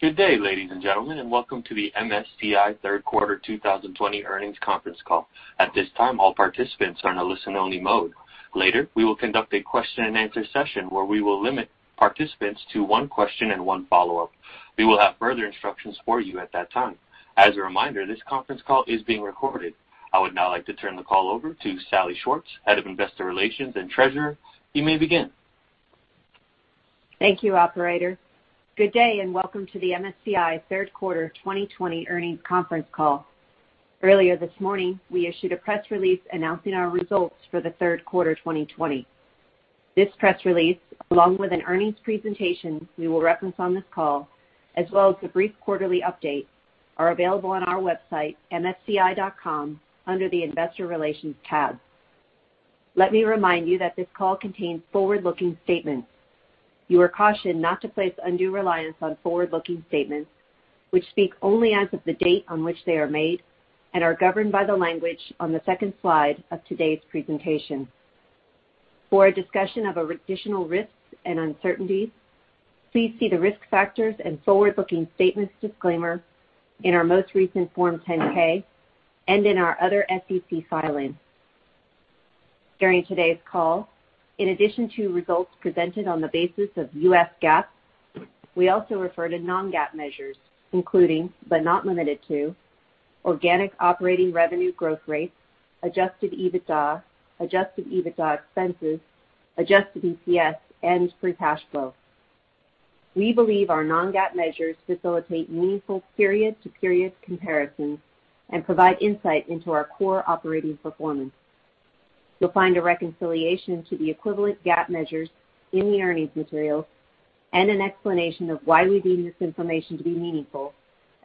Good day, ladies and gentlemen, and welcome to the MSCI Q3 2020 earnings conference call. At this time, all participants are in a listen-only mode. Later, we will conduct a question and answer session, where we will limit participants to one question and one follow-up. We will have further instructions for you at that time. As a reminder, this conference call is being recorded. I would now like to turn the call over to Salli Schwartz, Head of Investor Relations and Treasurer. You may begin. Thank you, operator. Good day, welcome to the MSCI Q3 2020 earnings conference call. Earlier this morning, we issued a press release announcing our results for the Q3 2020. This press release, along with an earnings presentation we will reference on this call, as well as a brief quarterly update, are available on our website, msci.com, under the Investor Relations tab. Let me remind you that this call contains forward-looking statements. You are cautioned not to place undue reliance on forward-looking statements, which speak only as of the date on which they are made and are governed by the language on the second slide of today's presentation. For a discussion of additional risks and uncertainties, please see the Risk Factors and Forward-Looking Statements disclaimer in our most recent Form 10-K and in our other SEC filings. During today's call, in addition to results presented on the basis of US GAAP, we also refer to non-GAAP measures, including, but not limited to, organic operating revenue growth rates, adjusted EBITDA, adjusted EBITDA expenses, adjusted EPS, and free cash flow. We believe our non-GAAP measures facilitate meaningful period-to-period comparisons and provide insight into our core operating performance. You'll find a reconciliation to the equivalent GAAP measures in the earnings materials and an explanation of why we deem this information to be meaningful,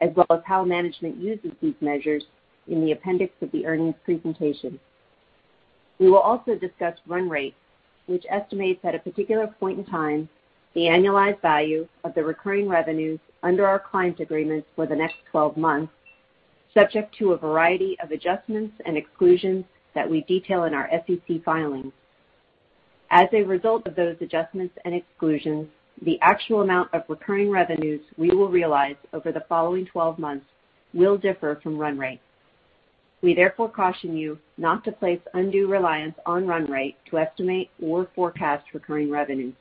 as well as how management uses these measures in the appendix of the earnings presentation. We will also discuss Run Rate, which estimates at a particular point in time the annualized value of the recurring revenues under our client agreements for the next 12 months, subject to a variety of adjustments and exclusions that we detail in our SEC filings. As a result of those adjustments and exclusions, the actual amount of recurring revenues we will realize over the following 12 months will differ from Run Rate. We therefore caution you not to place undue reliance on Run Rate to estimate or forecast recurring revenues.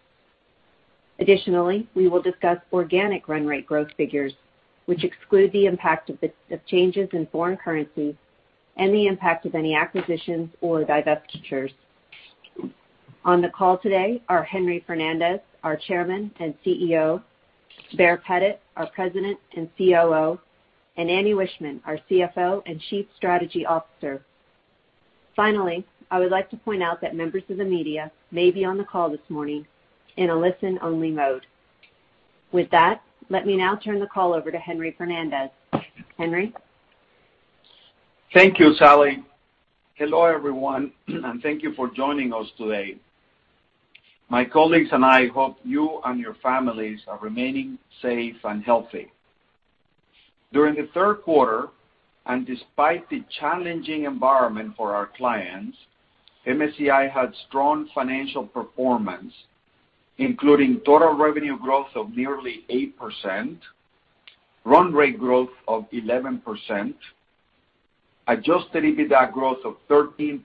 Additionally, we will discuss organic Run Rate growth figures, which exclude the impact of changes in foreign currency and the impact of any acquisitions or divestitures. On the call today are Henry Fernandez, our Chairman and CEO, Baer Pettit, our President and COO, and Andy Wiechmann, our CFO and Chief Strategy Officer. Finally, I would like to point out that members of the media may be on the call this morning in a listen-only mode. With that, let me now turn the call over to Henry Fernandez. Henry? Thank you, Salli. Hello, everyone, thank you for joining us today. My colleagues and I hope you and your families are remaining safe and healthy. During the Q3, and despite the challenging environment for our clients, MSCI had strong financial performance, including total revenue growth of nearly 8%, Run Rate growth of 11%, adjusted EBITDA growth of 13%,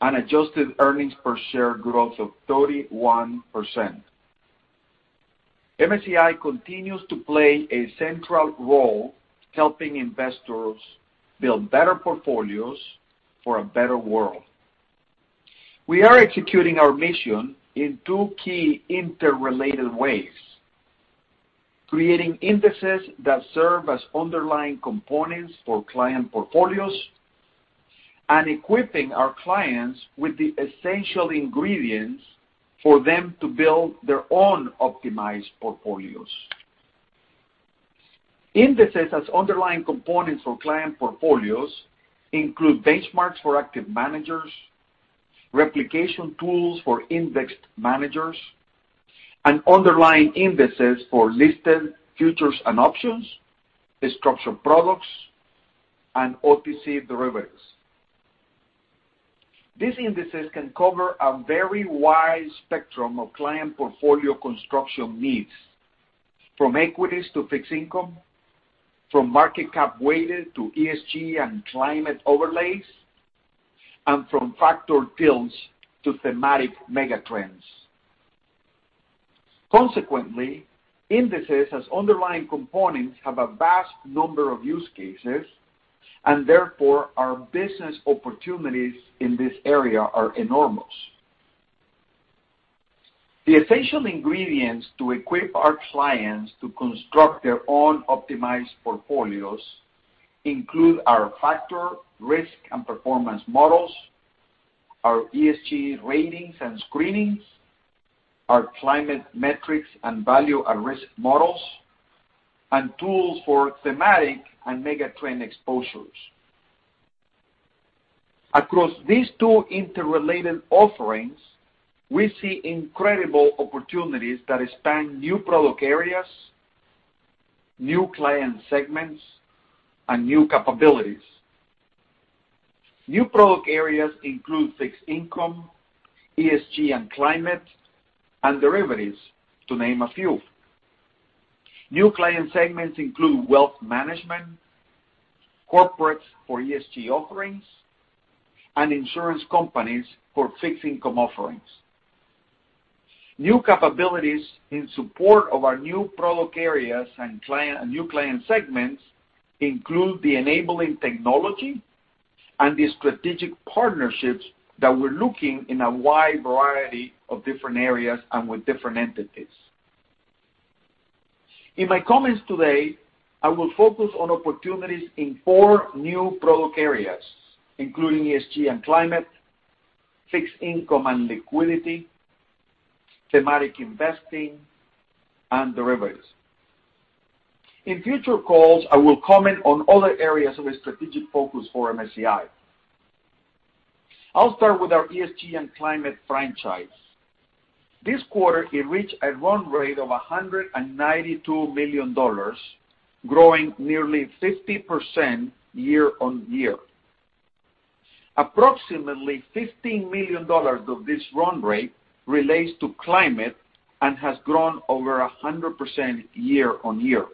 and adjusted EPS growth of 31%. MSCI continues to play a central role helping investors build better portfolios for a better world. We are executing our mission in two key interrelated ways. Creating indexes that serve as underlying components for client portfolios and equipping our clients with the essential ingredients for them to build their own optimized portfolios. Indexes as underlying components for client portfolios include benchmarks for active managers, replication tools for indexed managers, and underlying indexes for listed futures and options, structured products, and OTC derivatives. These indexes can cover a very wide spectrum of client portfolio construction needs, from equities to fixed income, from market cap weighted to ESG and climate overlays, and from factor tilts to thematic megatrends. Consequently, indexes as underlying components have a vast number of use cases, and therefore, our business opportunities in this area are enormous. The essential ingredients to equip our clients to construct their own optimized portfolios include our factor, risk, and performance models, our ESG ratings and screenings, our climate metrics and value at risk models, and tools for thematic and megatrend exposures. Across these two interrelated offerings, we see incredible opportunities that span new product areas, new client segments, and new capabilities. New product areas include fixed income, ESG and climate, and derivatives, to name a few. New client segments include wealth management, corporate for ESG offerings, and insurance companies for fixed income offerings. New capabilities in support of our new product areas and new client segments include the enabling technology and the strategic partnerships that we're looking in a wide variety of different areas and with different entities. In my comments today, I will focus on opportunities in four new product areas, including ESG and climate, fixed income and liquidity, thematic investing, and derivatives. In future calls, I will comment on other areas of a strategic focus for MSCI. I'll start with our ESG and climate franchise. This quarter, it reached a run rate of $192 million, growing nearly 50% year-on-year. Approximately $15 million of this run rate relates to climate and has grown over 100% year-on-year.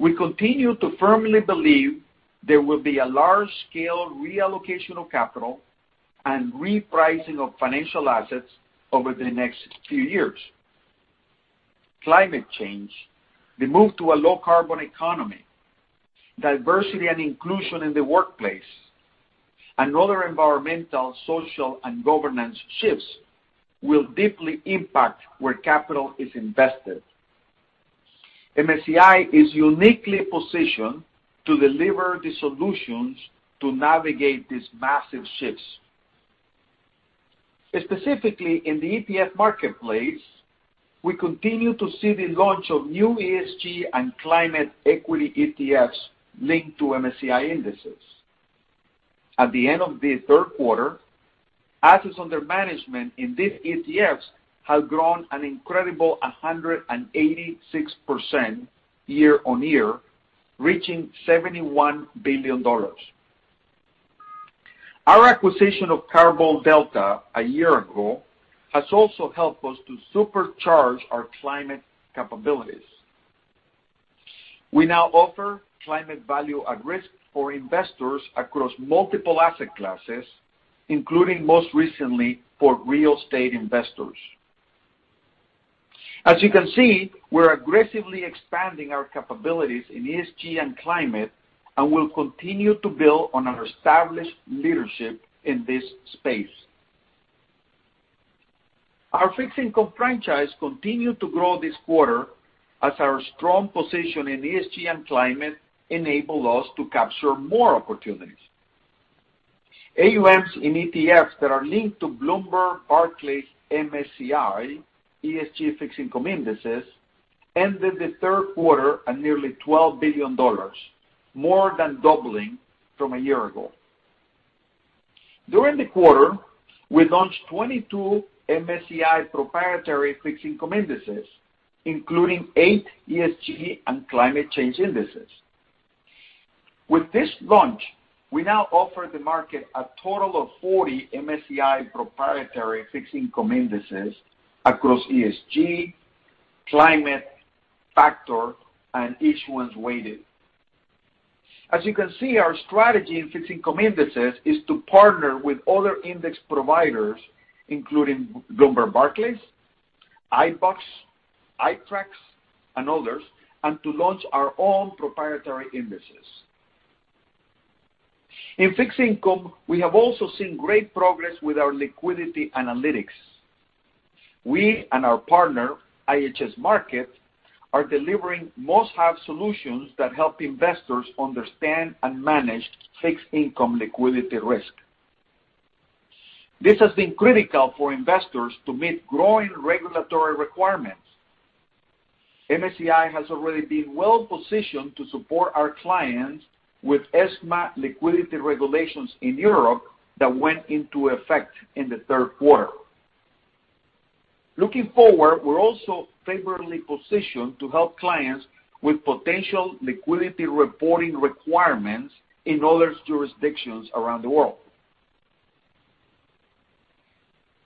We continue to firmly believe there will be a large-scale reallocation of capital and repricing of financial assets over the next few years. Climate change, the move to a low-carbon economy, diversity and inclusion in the workplace, and other environmental, social, and governance shifts will deeply impact where capital is invested. MSCI is uniquely positioned to deliver the solutions to navigate these massive shifts. Specifically, in the ETF marketplace, we continue to see the launch of new ESG and climate equity ETFs linked to MSCI indexes. At the end of the Q3, assets under management in these ETFs had grown an incredible 186% year-on-year, reaching $71 billion. Our acquisition of Carbon Delta a year ago has also helped us to supercharge our climate capabilities. We now offer climate value at risk for investors across multiple asset classes, including most recently for real estate investors. As you can see, we're aggressively expanding our capabilities in ESG and climate and will continue to build on our established leadership in this space. Our fixed income franchise continued to grow this quarter as our strong position in ESG and climate enabled us to capture more opportunities. AUMs in ETFs that are linked to Bloomberg Barclays MSCI ESG fixed income indices ended the Q3 at nearly $12 billion, more than doubling from a year ago. During the quarter, we launched 22 MSCI proprietary fixed income indices, including eight ESG and climate change indices. With this launch, we now offer the market a total of 40 MSCI proprietary fixed income indices across ESG, climate, factor, and issuance-weighted. As you can see, our strategy in fixed income indices is to partner with other index providers, including Bloomberg Barclays, iBoxx, iTraxx, and others, and to launch our own proprietary indices. In fixed income, we have also seen great progress with our liquidity analytics. We and our partner, IHS Markit, are delivering must-have solutions that help investors understand and manage fixed income liquidity risk. This has been critical for investors to meet growing regulatory requirements. MSCI has already been well positioned to support our clients with ESMA liquidity regulations in Europe that went into effect in the Q3. Looking forward, we're also favorably positioned to help clients with potential liquidity reporting requirements in other jurisdictions around the world.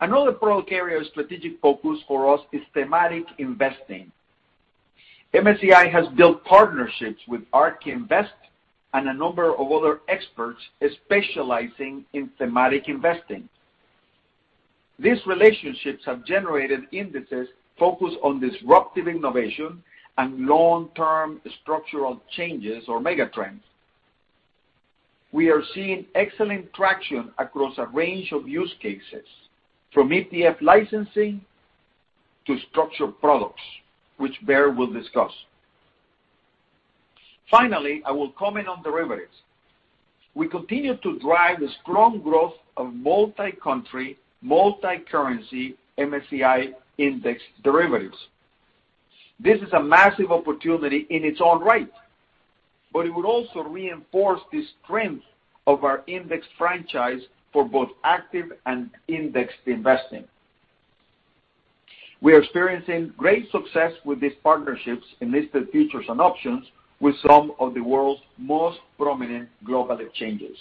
Another product area of strategic focus for us is thematic investing. MSCI has built partnerships with ARK Invest and a number of other experts specializing in thematic investing. These relationships have generated indices focused on disruptive innovation and long-term structural changes or mega trends. We are seeing excellent traction across a range of use cases, from ETF licensing to structured products, which Baer will discuss. Finally, I will comment on derivatives. We continue to drive the strong growth of multi-country, multi-currency MSCI index derivatives. This is a massive opportunity in its own right, but it would also reinforce the strength of our index franchise for both active and indexed investing. We are experiencing great success with these partnerships in listed features and options with some of the world's most prominent global exchanges.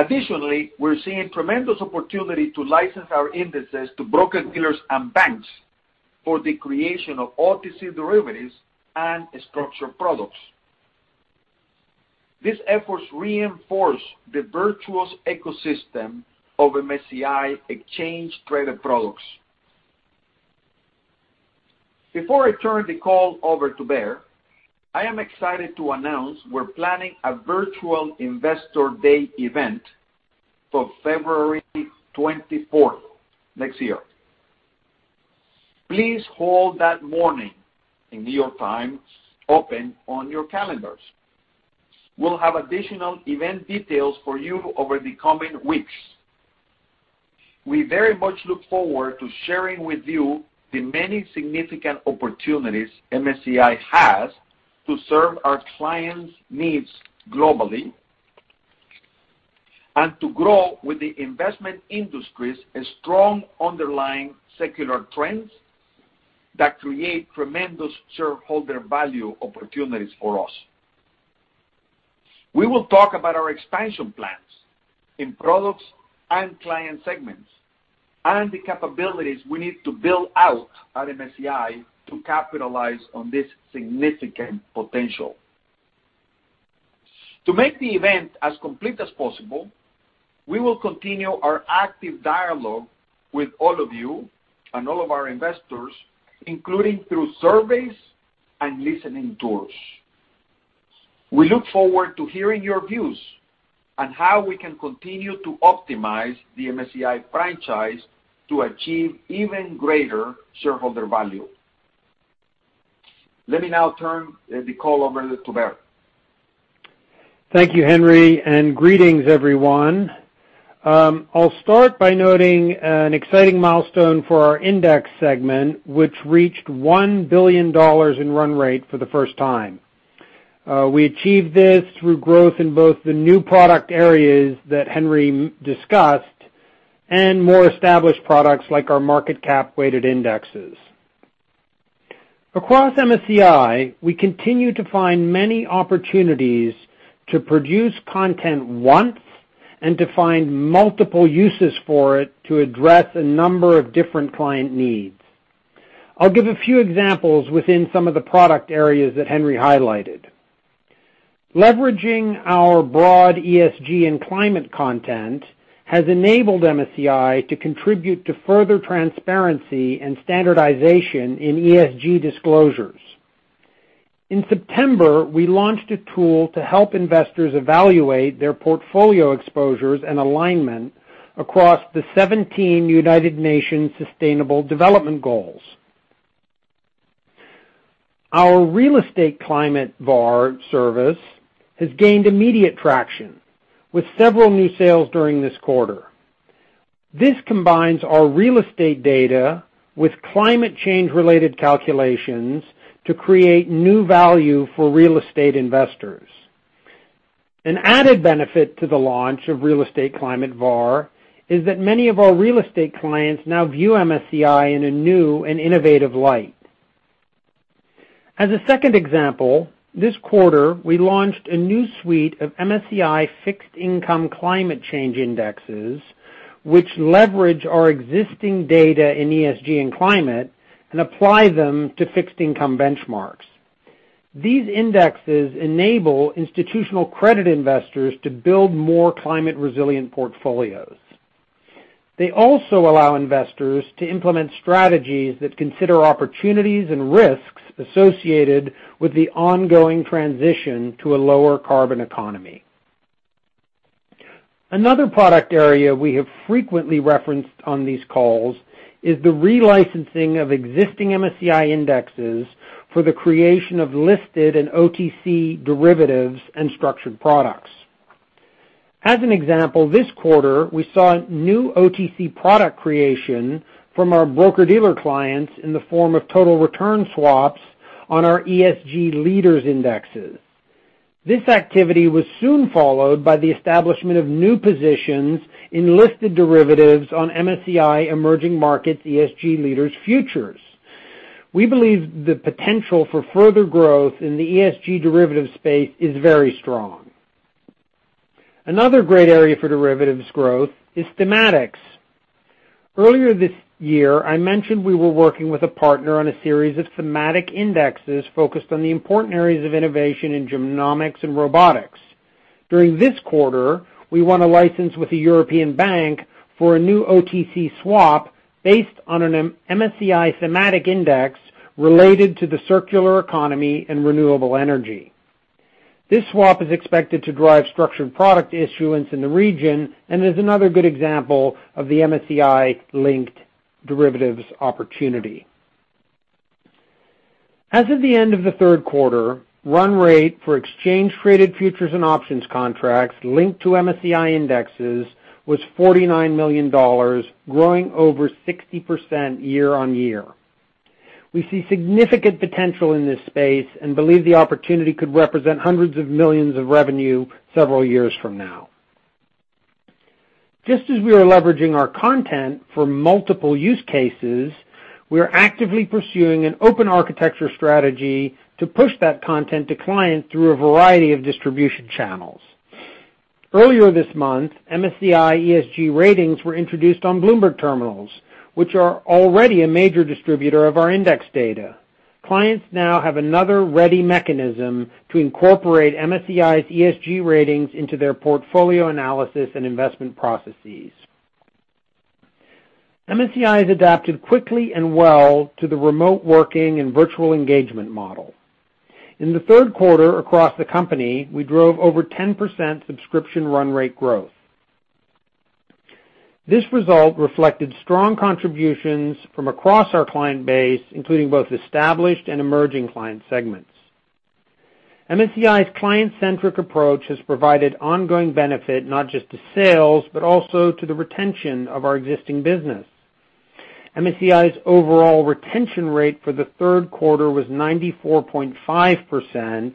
Additionally, we're seeing tremendous opportunity to license our indices to broker-dealers and banks for the creation of OTC derivatives and structured products. These efforts reinforce the virtuous ecosystem of MSCI exchange traded products. Before I turn the call over to Baer, I am excited to announce we're planning a virtual investor day event for February 24th next year. Please hold that morning in New York time open on your calendars. We'll have additional event details for you over the coming weeks. We very much look forward to sharing with you the many significant opportunities MSCI has to serve our clients' needs globally, and to grow with the investment industry's strong underlying secular trends that create tremendous shareholder value opportunities for us. We will talk about our expansion plans in products and client segments, and the capabilities we need to build out at MSCI to capitalize on this significant potential. To make the event as complete as possible, we will continue our active dialogue with all of you and all of our investors, including through surveys and listening tours. We look forward to hearing your views and how we can continue to optimize the MSCI franchise to achieve even greater shareholder value. Let me now turn the call over to Baer. Thank you, Henry. Greetings, everyone. I'll start by noting an exciting milestone for our index segment, which reached $1 billion in Run Rate for the first time. We achieved this through growth in both the new product areas that Henry discussed and more established products like our market cap-weighted indexes. Across MSCI, we continue to find many opportunities to produce content once and to find multiple uses for it to address a number of different client needs. I'll give a few examples within some of the product areas that Henry highlighted. Leveraging our broad ESG and climate content has enabled MSCI to contribute to further transparency and standardization in ESG disclosures. In September, we launched a tool to help investors evaluate their portfolio exposures and alignment across the 17 United Nations Sustainable Development Goals. Our real estate Climate VaR service has gained immediate traction with several new sales during this quarter. This combines our real estate data with climate change-related calculations to create new value for real estate investors. An added benefit to the launch of Real Estate Climate VaR is that many of our real estate clients now view MSCI in a new and innovative light. As a second example, this quarter, we launched a new suite of MSCI fixed income climate change indexes, which leverage our existing data in ESG and climate and apply them to fixed income benchmarks. These indexes enable institutional credit investors to build more climate-resilient portfolios. They also allow investors to implement strategies that consider opportunities and risks associated with the ongoing transition to a lower carbon economy. Another product area we have frequently referenced on these calls is the relicensing of existing MSCI indexes for the creation of listed and OTC derivatives and structured products. As an example, this quarter, we saw new OTC product creation from our broker-dealer clients in the form of total return swaps on our ESG Leaders indexes. This activity was soon followed by the establishment of new positions in listed derivatives on MSCI Emerging Markets ESG Leaders Futures. We believe the potential for further growth in the ESG derivative space is very strong. Another great area for derivatives growth is thematics. Earlier this year, I mentioned we were working with a partner on a series of thematic indexes focused on the important areas of innovation in genomics and robotics. During this quarter, we won a license with a European bank for a new OTC swap based on an MSCI thematic index related to the circular economy and renewable energy. This swap is expected to drive structured product issuance in the region and is another good example of the MSCI-linked derivatives opportunity. As of the end of the Q3, run rate for exchange traded futures and options contracts linked to MSCI indexes was $49 million, growing over 60% year-on-year. We see significant potential in this space and believe the opportunity could represent hundreds of millions of revenue several years from now. Just as we are leveraging our content for multiple use cases, we are actively pursuing an open architecture strategy to push that content to client through a variety of distribution channels. Earlier this month, MSCI ESG ratings were introduced on Bloomberg terminals, which are already a major distributor of our index data. Clients now have another ready mechanism to incorporate MSCI's ESG ratings into their portfolio analysis and investment processes. MSCI has adapted quickly and well to the remote working and virtual engagement model. In the Q3 across the company, we drove over 10% subscription Run Rate growth. This result reflected strong contributions from across our client base, including both established and emerging client segments. MSCI's client-centric approach has provided ongoing benefit not just to sales, but also to the retention of our existing business. MSCI's overall retention rate for the Q3 was 94.5%,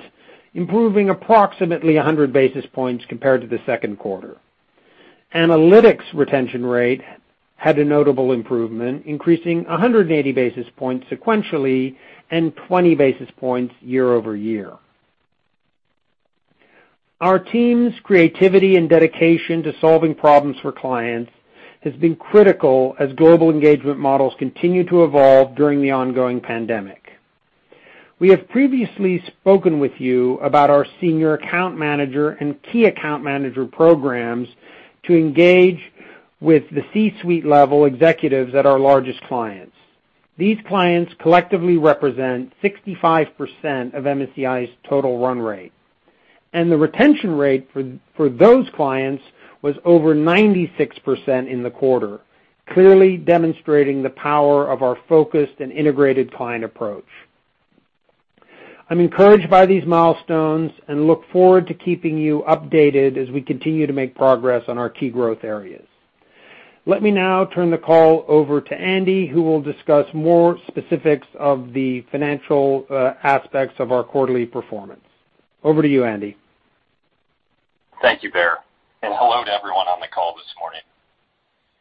improving approximately 100 basis points compared to the Q2. Analytics retention rate had a notable improvement, increasing 180 basis points sequentially and 20 basis points year-over-year. Our team's creativity and dedication to solving problems for clients has been critical as global engagement models continue to evolve during the ongoing pandemic. We have previously spoken with you about our senior account manager and key account manager programs to engage with the C-suite level executives at our largest clients. These clients collectively represent 65% of MSCI's total Run Rate, and the retention rate for those clients was over 96% in the quarter, clearly demonstrating the power of our focused and integrated client approach. I'm encouraged by these milestones and look forward to keeping you updated as we continue to make progress on our key growth areas. Let me now turn the call over to Andy, who will discuss more specifics of the financial aspects of our quarterly performance. Over to you, Andy. Thank you, Baer, and hello to everyone on the call this morning.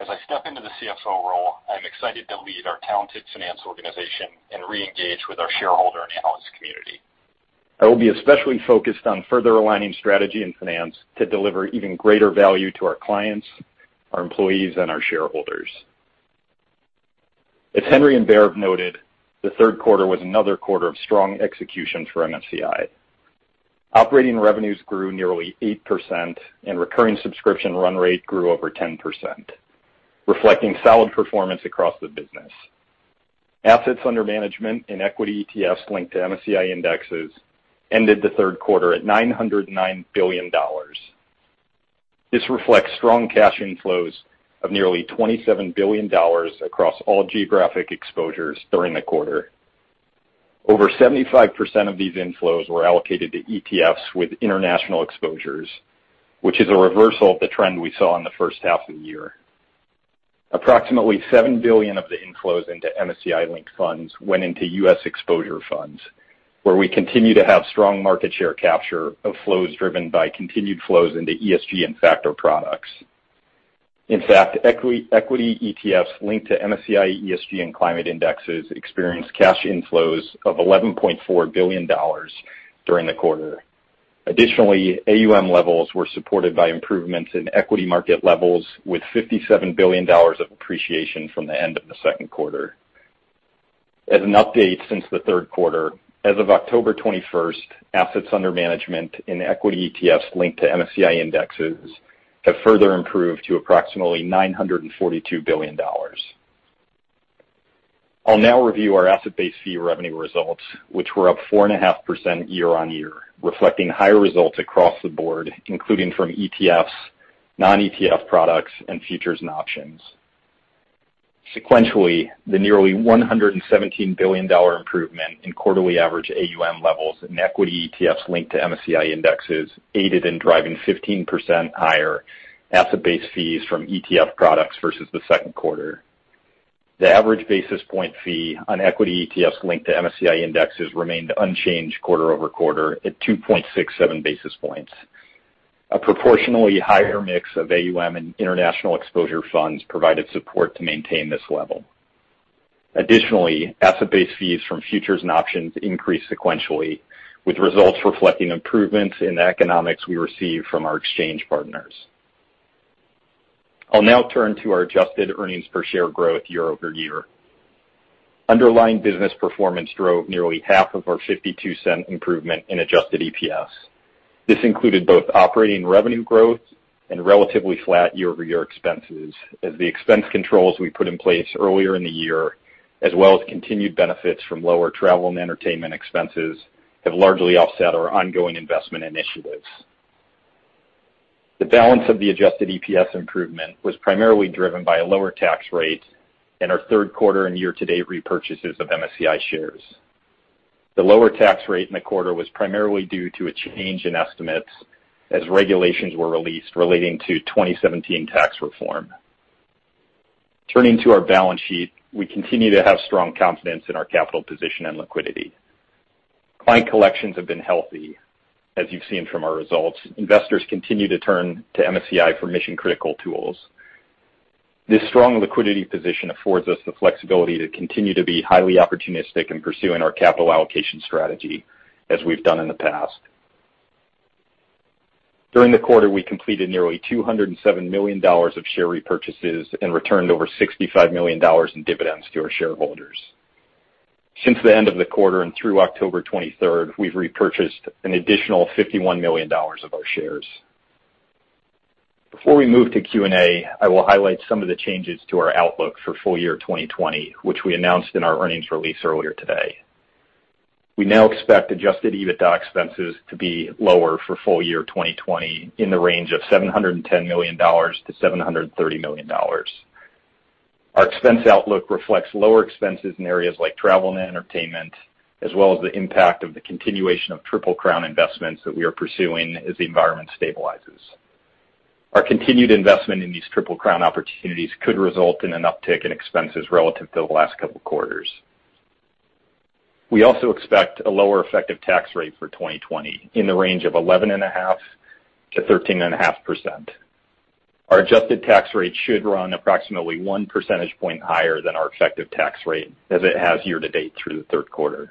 As I step into the CFO role, I'm excited to lead our talented finance organization and reengage with our shareholder and analyst community. I will be especially focused on further aligning strategy and finance to deliver even greater value to our clients, our employees, and our shareholders. As Henry and Baer have noted, the Q3 was another quarter of strong execution for MSCI. Operating revenues grew nearly 8%, and recurring subscription Run Rate grew over 10%, reflecting solid performance across the business. Assets under management in equity ETFs linked to MSCI indexes ended the Q3 at $909 billion. This reflects strong cash inflows of nearly $27 billion across all geographic exposures during the quarter. Over 75% of these inflows were allocated to ETFs with international exposures, which is a reversal of the trend we saw in the H1 of the year. Approximately $7 billion of the inflows into MSCI-linked funds went into U.S. exposure funds, where we continue to have strong market share capture of flows driven by continued flows into ESG and factor products. In fact, equity ETFs linked to MSCI ESG and climate indexes experienced cash inflows of $11.4 billion during the quarter. Additionally, AUM levels were supported by improvements in equity market levels with $57 billion of appreciation from the end of the Q2. As an update since the Q3, as of October 21st, assets under management in equity ETFs linked to MSCI indexes have further improved to approximately $942 billion. I'll now review our asset-based fee revenue results, which were up 4.5% year-on-year, reflecting higher results across the board, including from ETFs, non-ETF products, and futures and options. Sequentially, the nearly $117 billion improvement in quarterly average AUM levels in equity ETFs linked to MSCI indexes aided in driving 15% higher asset-based fees from ETF products versus the Q2. The average basis point fee on equity ETFs linked to MSCI indexes remained unchanged quarter-over-quarter at 2.67 basis points. A proportionally higher mix of AUM and international exposure funds provided support to maintain this level. Additionally, asset-based fees from futures and options increased sequentially, with results reflecting improvements in the economics we receive from our exchange partners. I'll now turn to our adjusted earnings per share growth year-over-year. Underlying business performance drove nearly half of our $0.52 improvement in adjusted EPS. This included both operating revenue growth and relatively flat year-over-year expenses as the expense controls we put in place earlier in the year, as well as continued benefits from lower travel and entertainment expenses have largely offset our ongoing investment initiatives. The balance of the adjusted EPS improvement was primarily driven by a lower tax rate and our Q3 and year-to-date repurchases of MSCI shares. The lower tax rate in the quarter was primarily due to a change in estimates as regulations were released relating to 2017 tax reform. Turning to our balance sheet, we continue to have strong confidence in our capital position and liquidity. Client collections have been healthy, as you've seen from our results. Investors continue to turn to MSCI for mission-critical tools. This strong liquidity position affords us the flexibility to continue to be highly opportunistic in pursuing our capital allocation strategy, as we've done in the past. During the quarter, we completed nearly $207 million of share repurchases and returned over $65 million in dividends to our shareholders. Since the end of the quarter and through October 23rd, we've repurchased an additional $51 million of our shares. Before we move to Q&A, I will highlight some of the changes to our outlook for full year 2020, which we announced in our earnings release earlier today. We now expect adjusted EBITDA expenses to be lower for full year 2020 in the range of $710 million-$730 million. Our expense outlook reflects lower expenses in areas like travel and entertainment, as well as the impact of the continuation of Triple Crown investments that we are pursuing as the environment stabilizes. Our continued investment in these Triple Crown opportunities could result in an uptick in expenses relative to the last couple of quarters. We also expect a lower effective tax rate for 2020 in the range of 11.5%-13.5%. Our adjusted tax rate should run approximately one percentage point higher than our effective tax rate, as it has year to date through the Q3.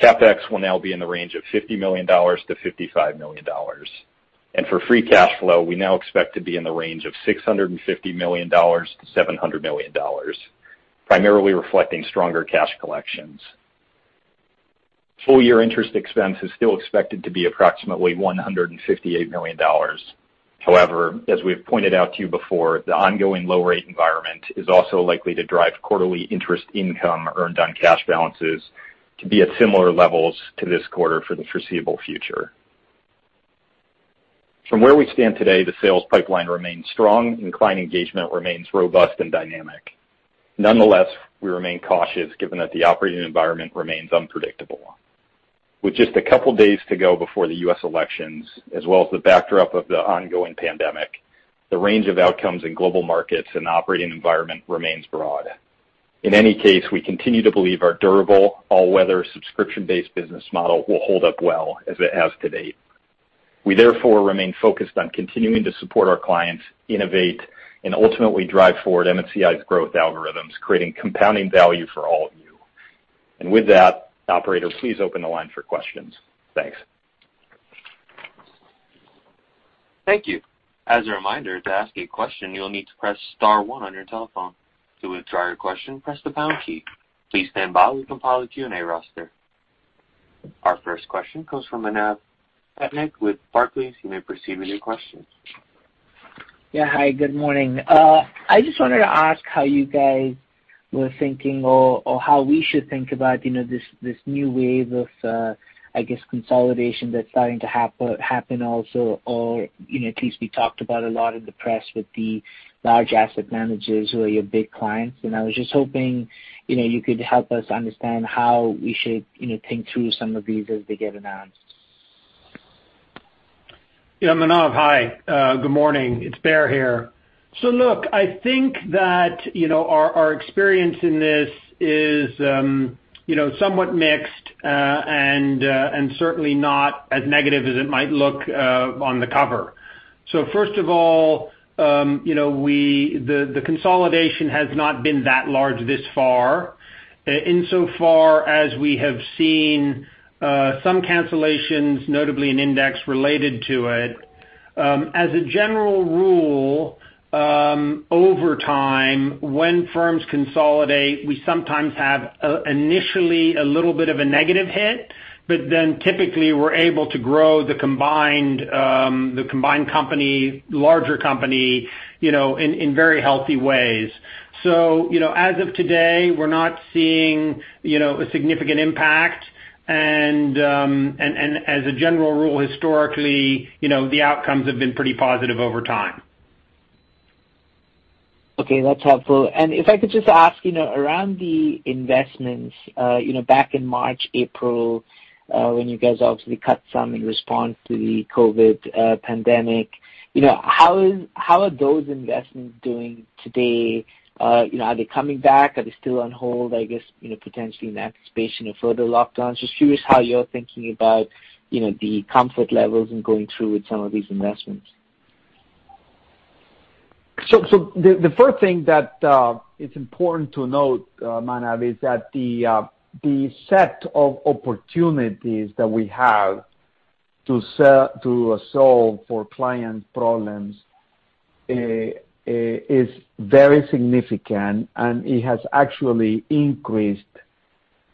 CapEx will now be in the range of $50 million-$55 million. For free cash flow, we now expect to be in the range of $650 million-$700 million, primarily reflecting stronger cash collections. Full-year interest expense is still expected to be approximately $158 million. However, as we have pointed out to you before, the ongoing low-rate environment is also likely to drive quarterly interest income earned on cash balances to be at similar levels to this quarter for the foreseeable future. From where we stand today, the sales pipeline remains strong, and client engagement remains robust and dynamic. Nonetheless, we remain cautious given that the operating environment remains unpredictable. With just a couple of days to go before the U.S. elections, as well as the backdrop of the ongoing pandemic, the range of outcomes in global markets and operating environment remains broad. In any case, we continue to believe our durable, all-weather, subscription-based business model will hold up well as it has to date. We therefore remain focused on continuing to support our clients, innovate, and ultimately drive forward MSCI's growth algorithms, creating compounding value for all of you. With that, operator, please open the line for questions. Thanks. Thank you. As a reminder, to ask a question, you'll need to press star one on your telephone. To withdraw your question, press the pound key. Please standby while we compile your Q&A roster. Our first question comes from Manav Patnaik with Barclays. You may proceed with your question. Yeah. Hi, good morning. I just wanted to ask how you guys were thinking or how we should think about this new wave of, I guess, consolidation that's starting to happen also, or at least we talked about a lot in the press with the large asset managers who are your big clients. I was just hoping you could help us understand how we should think through some of these as they get announced. Yeah, Manav, hi. Good morning. It's Baer here. Look, I think that our experience in this is somewhat mixed and certainly not as negative as it might look on the cover. First of all, the consolidation has not been that large this far, insofar as we have seen some cancellations, notably an index related to it. As a general rule, over time, when firms consolidate, we sometimes have initially a little bit of a negative hit, typically we're able to grow the combined larger company in very healthy ways. As of today, we're not seeing a significant impact. As a general rule, historically, the outcomes have been pretty positive over time. Okay, that's helpful. If I could just ask around the investments back in March, April, when you guys obviously cut some in response to the COVID pandemic, how are those investments doing today? Are they coming back? Are they still on hold, I guess, potentially in anticipation of further lockdowns? Just curious how you're thinking about the comfort levels in going through with some of these investments. The first thing that is important to note, Manav, is that the set of opportunities that we have to solve for client problems is very significant, and it has actually increased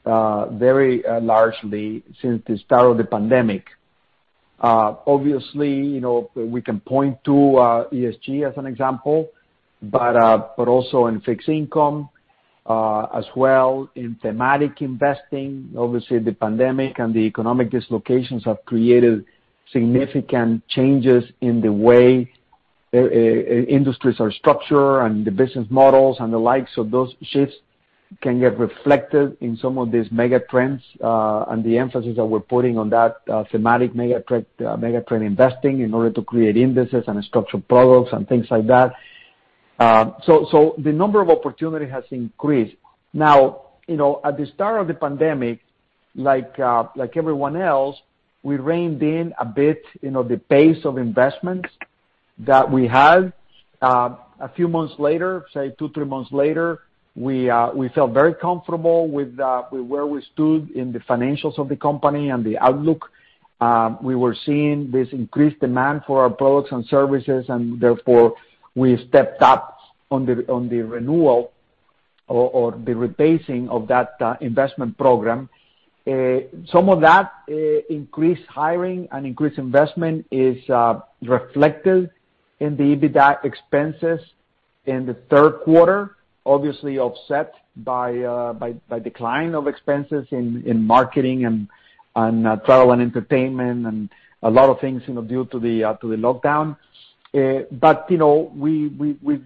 very largely since the start of the pandemic. Obviously, we can point to ESG as an example, but also in fixed income as well in thematic investing. Obviously, the pandemic and the economic dislocations have created significant changes in the way industries are structured, and the business models and the like. Those shifts can get reflected in some of these mega trends, and the emphasis that we're putting on that thematic mega trend investing in order to create indices and structured products and things like that. The number of opportunity has increased. Now, at the start of the pandemic, like everyone else, we reined in a bit, the pace of investments that we had. A few months later, say two, three months later, we felt very comfortable with where we stood in the financials of the company and the outlook. Therefore we stepped up on the renewal or the rebasing of that investment program. Some of that increased hiring and increased investment is reflected in the EBITDA expenses in the Q3, obviously offset by decline of expenses in marketing and travel and entertainment and a lot of things due to the lockdown. We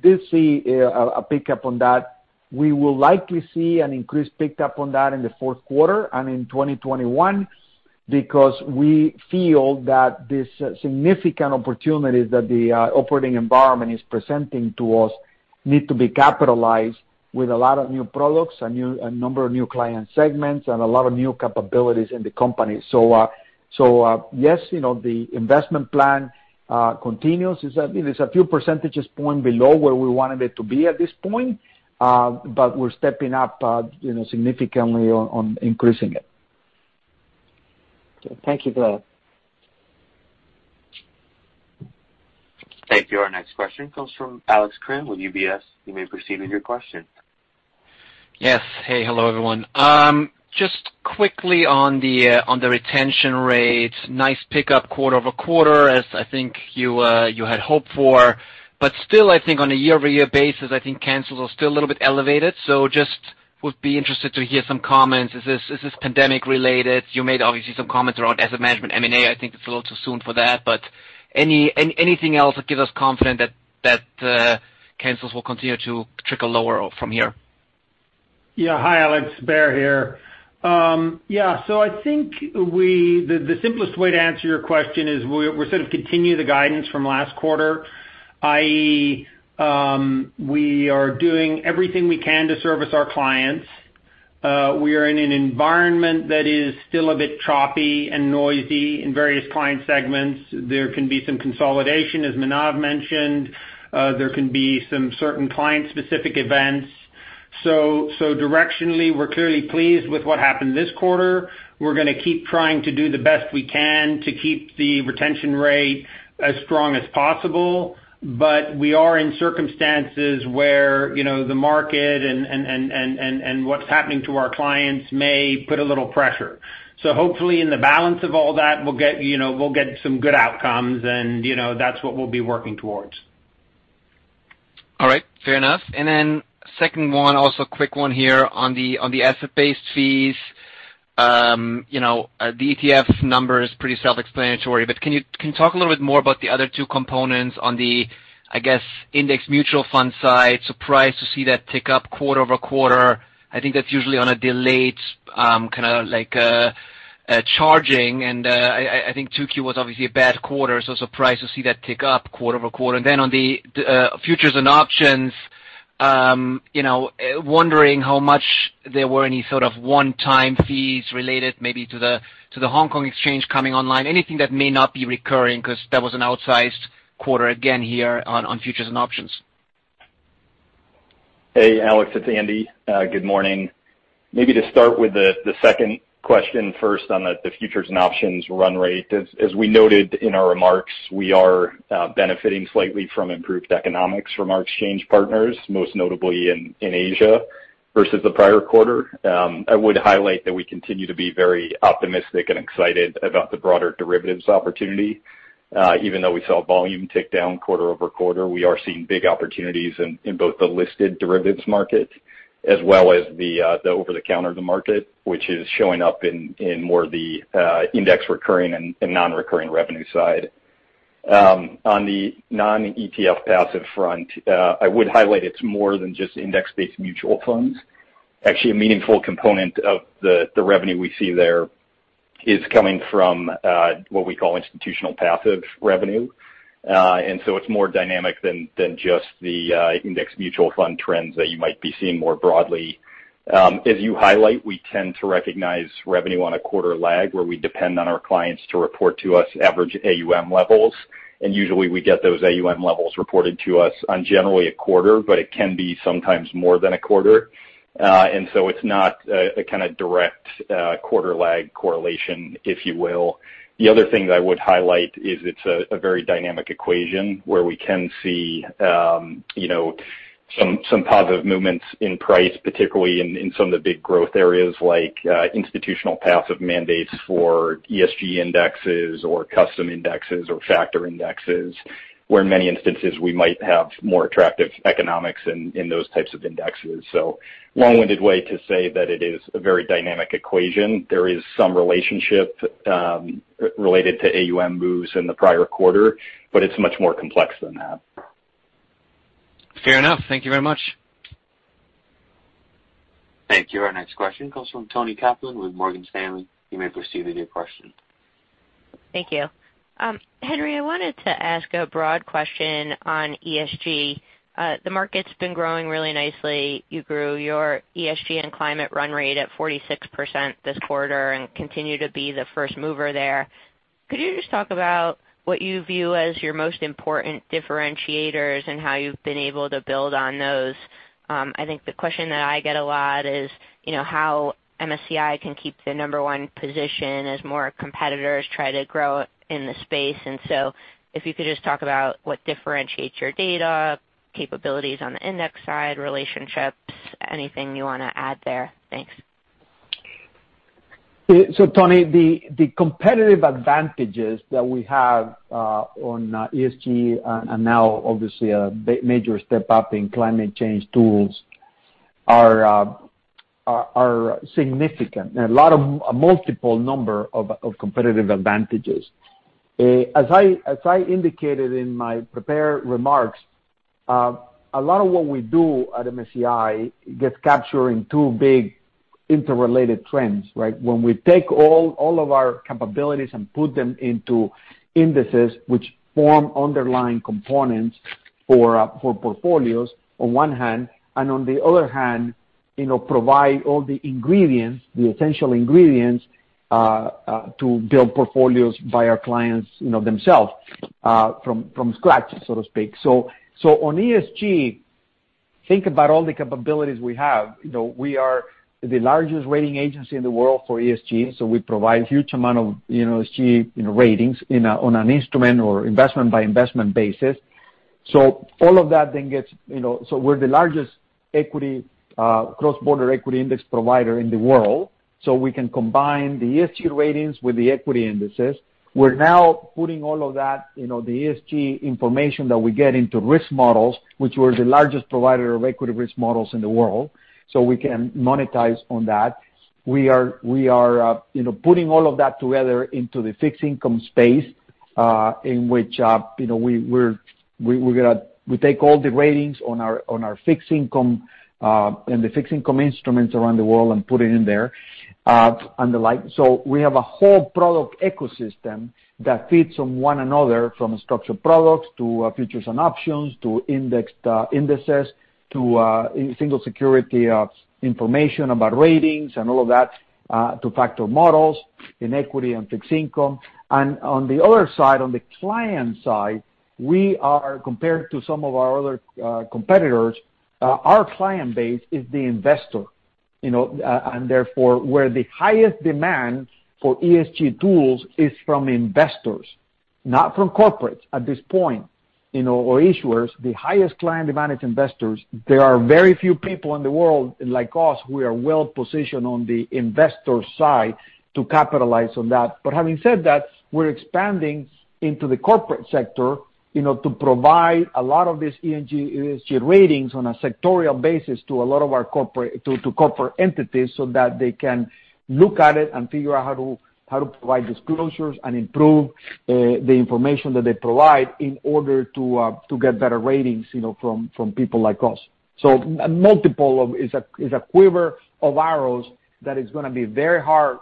did see a pickup on that. We will likely see an increased pickup on that in the Q4 and in 2021 because we feel that these significant opportunities that the operating environment is presenting to us need to be capitalized with a lot of new products, a number of new client segments, and a lot of new capabilities in the company. Yes, the investment plan continues. It's a few percentage points below where we wanted it to be at this point, but we're stepping up significantly on increasing it. Thank you, Baer. Thank you. Our next question comes from Alex Kramm with UBS. You may proceed with your question. Yes. Hey. Hello, everyone. Just quickly on the retention rate, nice pickup quarter-over-quarter as I think you had hoped for, but still, I think on a year-over-year basis, I think cancels are still a little bit elevated. Just would be interested to hear some comments. Is this pandemic-related? You made, obviously, some comments around asset management, M&A, I think it's a little too soon for that, but anything else that gives us confidence that cancels will continue to trickle lower from here? Hi, Alex. Baer here. I think the simplest way to answer your question is we sort of continue the guidance from last quarter, i.e., we are doing everything we can to service our clients. We are in an environment that is still a bit choppy and noisy in various client segments. There can be some consolidation, as Manav mentioned. There can be some certain client-specific events. Directionally, we're clearly pleased with what happened this quarter. We're going to keep trying to do the best we can to keep the retention rate as strong as possible. We are in circumstances where the market and what's happening to our clients may put a little pressure. Hopefully, in the balance of all that, we'll get some good outcomes and that's what we'll be working towards. All right. Fair enough. Second one, also quick one here on the asset-based fees. The ETF number is pretty self-explanatory, but can you talk a little bit more about the other two components on the, I guess, index mutual fund side? Surprised to see that tick up quarter-over-quarter. I think that's usually on a delayed kind of charging, and I think 2Q was obviously a bad quarter, so surprised to see that tick up quarter-over-quarter. On the futures and options, wondering how much there were any sort of one-time fees related maybe to the Hong Kong exchange coming online, anything that may not be recurring because that was an outsized quarter again here on futures and options. Hey, Alex, it's Andy. Good morning. Maybe to start with the second question first on the futures and options Run Rate. As we noted in our remarks, we are benefiting slightly from improved economics from our exchange partners, most notably in Asia versus the prior quarter. I would highlight that we continue to be very optimistic and excited about the broader derivatives opportunity. Even though we saw volume tick down quarter-over-quarter, we are seeing big opportunities in both the listed derivatives market as well as the over-the-counter market, which is showing up in more of the index recurring and non-recurring revenue side. On the non-ETF passive front, I would highlight it's more than just index-based mutual funds. Actually, a meaningful component of the revenue we see there is coming from what we call institutional passive revenue. It's more dynamic than just the index mutual fund trends that you might be seeing more broadly. As you highlight, we tend to recognize revenue on a quarter lag where we depend on our clients to report to us average AUM levels, and usually we get those AUM levels reported to us on generally a quarter, but it can be sometimes more than a quarter. It's not a kind of direct quarter lag correlation, if you will. The other thing that I would highlight is it's a very dynamic equation where we can see some positive movements in price, particularly in some of the big growth areas like institutional passive mandates for ESG indexes or custom indexes or factor indexes, where in many instances, we might have more attractive economics in those types of indexes. Long-winded way to say that it is a very dynamic equation. There is some relationship related to AUM moves in the prior quarter, but it's much more complex than that. Fair enough. Thank you very much. Thank you. Our next question comes from Toni Kaplan with Morgan Stanley. You may proceed with your question. Thank you. Henry, I wanted to ask a broad question on ESG. The market's been growing really nicely. You grew your ESG and climate Run Rate at 46% this quarter and continue to be the first mover there. Could you just talk about what you view as your most important differentiators and how you've been able to build on those? I think the question that I get a lot is, how MSCI can keep the number one position as more competitors try to grow in the space. If you could just talk about what differentiates your data, capabilities on the index side, relationships, anything you want to add there. Thanks. Toni, the competitive advantages that we have on ESG, and now obviously a major step up in climate change tools, are significant. A multiple number of competitive advantages. As I indicated in my prepared remarks, a lot of what we do at MSCI gets captured in two big interrelated trends, right? When we take all of our capabilities and put them into indices, which form underlying components for portfolios on one hand, and on the other hand, provide all the essential ingredients, to build portfolios by our clients themselves, from scratch, so to speak. On ESG, think about all the capabilities we have. We are the largest rating agency in the world for ESG, so we provide huge amount of ESG ratings on an instrument or investment-by-investment basis. We're the largest cross-border equity index provider in the world, so we can combine the ESG ratings with the equity indices. We're now putting all of that, the ESG information that we get, into risk models, which we're the largest provider of equity risk models in the world, so we can monetize on that. We are putting all of that together into the fixed income space, in which we take all the ratings on the fixed income instruments around the world and put it in there, and the like. We have a whole product ecosystem that feeds on one another, from structured products to futures and options, to indexed indices, to single security information about ratings and all of that, to factor models in equity and fixed income. On the other side, on the client side, compared to some of our other competitors, our client base is the investor, therefore, where the highest demand for ESG tools is from investors, not from corporates at this point, or issuers. The highest client demand is investors. There are very few people in the world like us who are well-positioned on the investor side to capitalize on that. Having said that, we're expanding into the corporate sector to provide a lot of these ESG ratings on a sectorial basis to corporate entities, so that they can look at it and figure out how to provide disclosures and improve the information that they provide in order to get better ratings from people like us. It's a quiver of arrows that is going to be very hard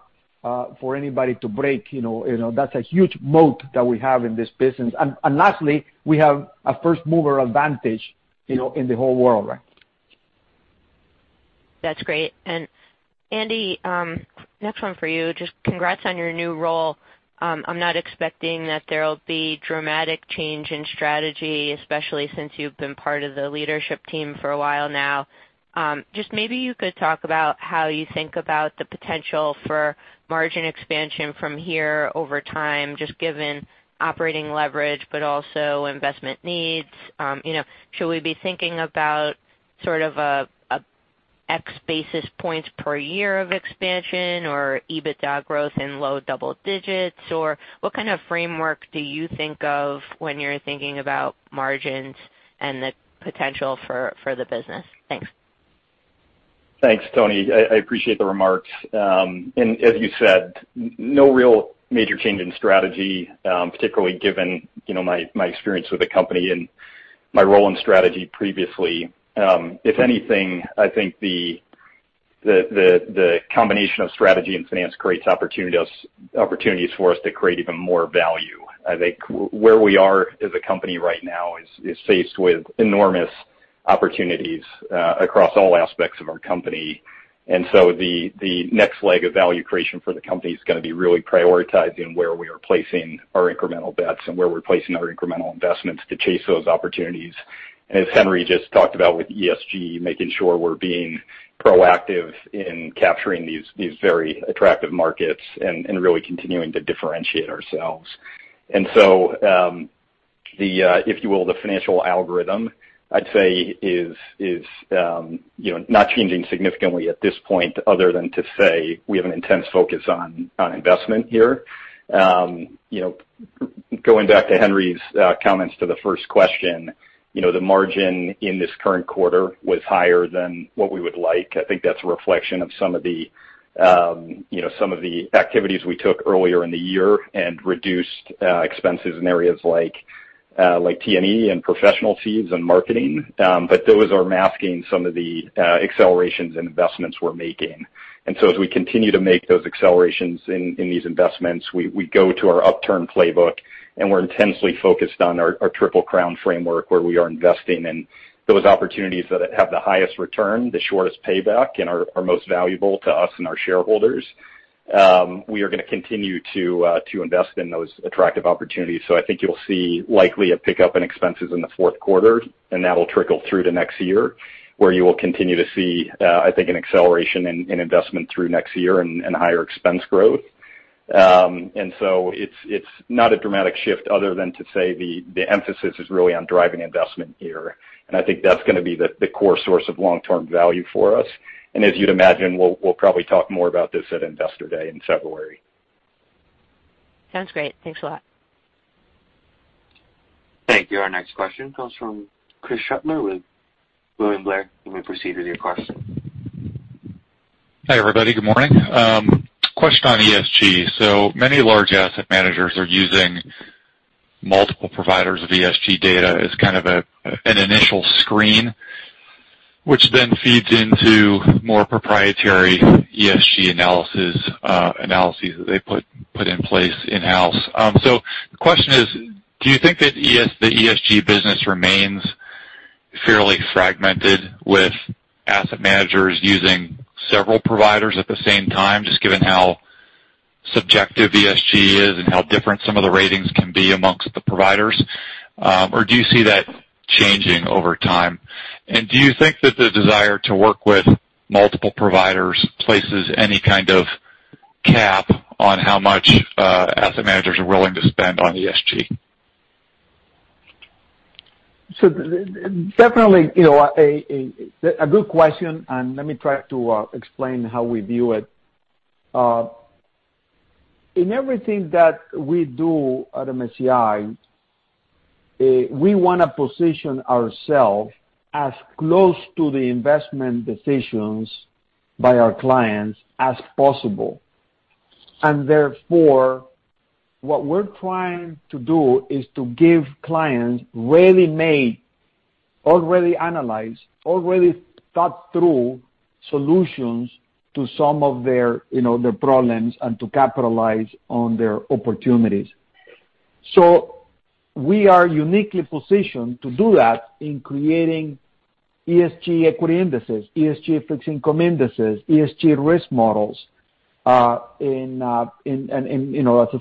for anybody to break. That's a huge moat that we have in this business. Lastly, we have a first-mover advantage in the whole world, right? That's great. Andy, next one for you. Just congrats on your new role. I'm not expecting that there'll be dramatic change in strategy, especially since you've been part of the leadership team for a while now. Maybe you could talk about how you think about the potential for margin expansion from here over time, just given operating leverage, but also investment needs. Should we be thinking about sort of a X basis points per year of expansion or EBITDA growth in low double digits? What kind of framework do you think of when you're thinking about margins and the potential for the business? Thanks. Thanks, Toni. I appreciate the remarks. As you said, no real major change in strategy, particularly given my experience with the company and my role in strategy previously. If anything, I think the combination of strategy and finance creates opportunities for us to create even more value. I think where we are as a company right now is faced with enormous opportunities across all aspects of our company. The next leg of value creation for the company is going to be really prioritizing where we are placing our incremental bets and where we're placing our incremental investments to chase those opportunities. As Henry just talked about with ESG, making sure we're being proactive in capturing these very attractive markets and really continuing to differentiate ourselves. If you will, the financial algorithm, I'd say is not changing significantly at this point other than to say we have an intense focus on investment here. Going back to Henry's comments to the first question, the margin in this current quarter was higher than what we would like. I think that's a reflection of some of the activities we took earlier in the year and reduced expenses in areas like T&E and professional fees and marketing, but those are masking some of the accelerations and investments we're making. As we continue to make those accelerations in these investments, we go to our upturn playbook, and we're intensely focused on our Triple Crown framework, where we are investing in those opportunities that have the highest return, the shortest payback, and are most valuable to us and our shareholders. We are going to continue to invest in those attractive opportunities. I think you'll see likely a pickup in expenses in the Q4, and that'll trickle through to next year, where you will continue to see, I think, an acceleration in investment through next year and higher expense growth. It's not a dramatic shift other than to say the emphasis is really on driving investment here. I think that's going to be the core source of long-term value for us. As you'd imagine, we'll probably talk more about this at Investor Day in February. Sounds great. Thanks a lot. Thank you. Our next question comes from Chris Shutler with William Blair. You may proceed with your question. Hi, everybody. Good morning. Question on ESG. Many large asset managers are using multiple providers of ESG data as kind of an initial screen, which then feeds into more proprietary ESG analyses that they put in place in-house. The question is, do you think that the ESG business remains fairly fragmented with asset managers using several providers at the same time, just given how subjective ESG is and how different some of the ratings can be amongst the providers? Do you see that changing over time? Do you think that the desire to work with multiple providers places any kind of cap on how much asset managers are willing to spend on ESG? Definitely, a good question, and let me try to explain how we view it. In everything that we do at MSCI, we want to position ourselves as close to the investment decisions by our clients as possible. Therefore, what we're trying to do is to give clients ready-made, already analyzed, already thought-through solutions to some of their problems and to capitalize on their opportunities. We are uniquely positioned to do that in creating ESG equity indices, ESG fixed income indices, ESG risk models, as I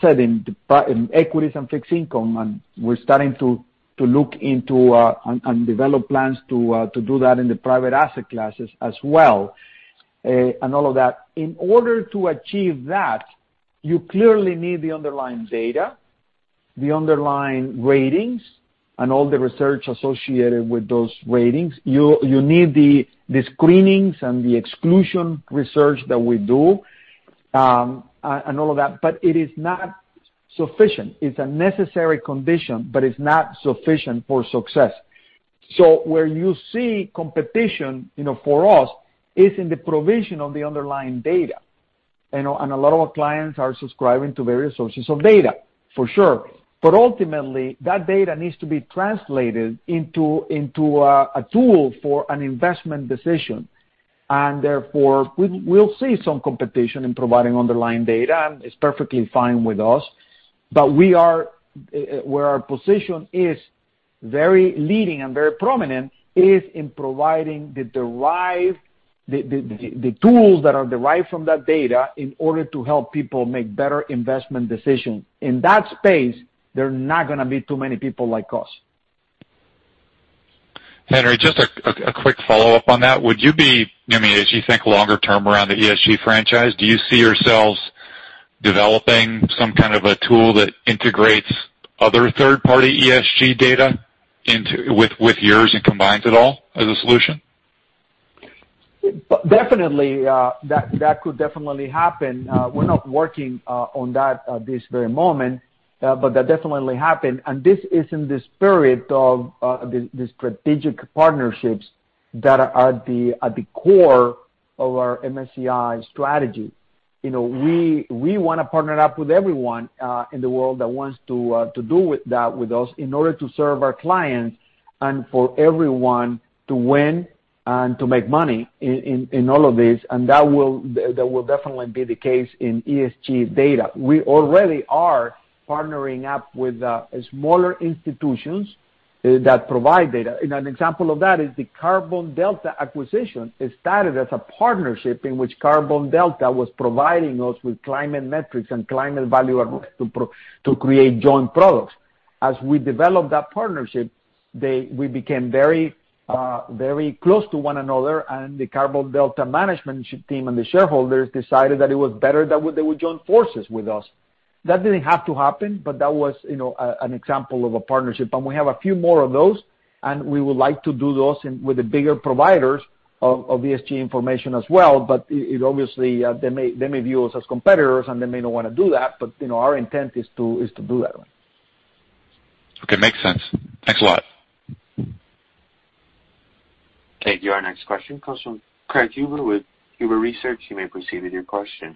said, in equities and fixed income. We're starting to look into and develop plans to do that in the private asset classes as well, and all of that. In order to achieve that, you clearly need the underlying data, the underlying ratings, and all the research associated with those ratings. You need the screenings and the exclusion research that we do, and all of that, but it is not sufficient. It's a necessary condition, but it's not sufficient for success. Where you see competition, for us, is in the provision of the underlying data. A lot of our clients are subscribing to various sources of data, for sure. Ultimately, that data needs to be translated into a tool for an investment decision. Therefore, we'll see some competition in providing underlying data, and it's perfectly fine with us. Where our position is very leading and very prominent is in providing the tools that are derived from that data in order to help people make better investment decisions. In that space, there are not going to be too many people like us. Henry, just a quick follow-up on that. As you think longer term around the ESG franchise, do you see yourselves developing some kind of a tool that integrates other third-party ESG data with yours and combines it all as a solution? Definitely. That could definitely happen. We're not working on that at this very moment, but that definitely happened. This is in the spirit of the strategic partnerships that are at the core of our MSCI strategy. We want to partner up with everyone in the world that wants to do that with us in order to serve our clients and for everyone to win and to make money in all of this. That will definitely be the case in ESG data. We already are partnering up with smaller institutions that provide data. An example of that is the Carbon Delta acquisition. It started as a partnership in which Carbon Delta was providing us with climate metrics and Climate Value at Risk to create joint products. As we developed that partnership, we became very close to one another, and the Carbon Delta management team and the shareholders decided that it was better that they would join forces with us. That didn't have to happen, but that was an example of a partnership. We have a few more of those, and we would like to do those with the bigger providers of ESG information as well. Obviously, they may view us as competitors, and they may not want to do that, but our intent is to do that. Okay. Makes sense. Thanks a lot. Thank you. Our next question comes from Craig Huber with Huber Research. You may proceed with your question.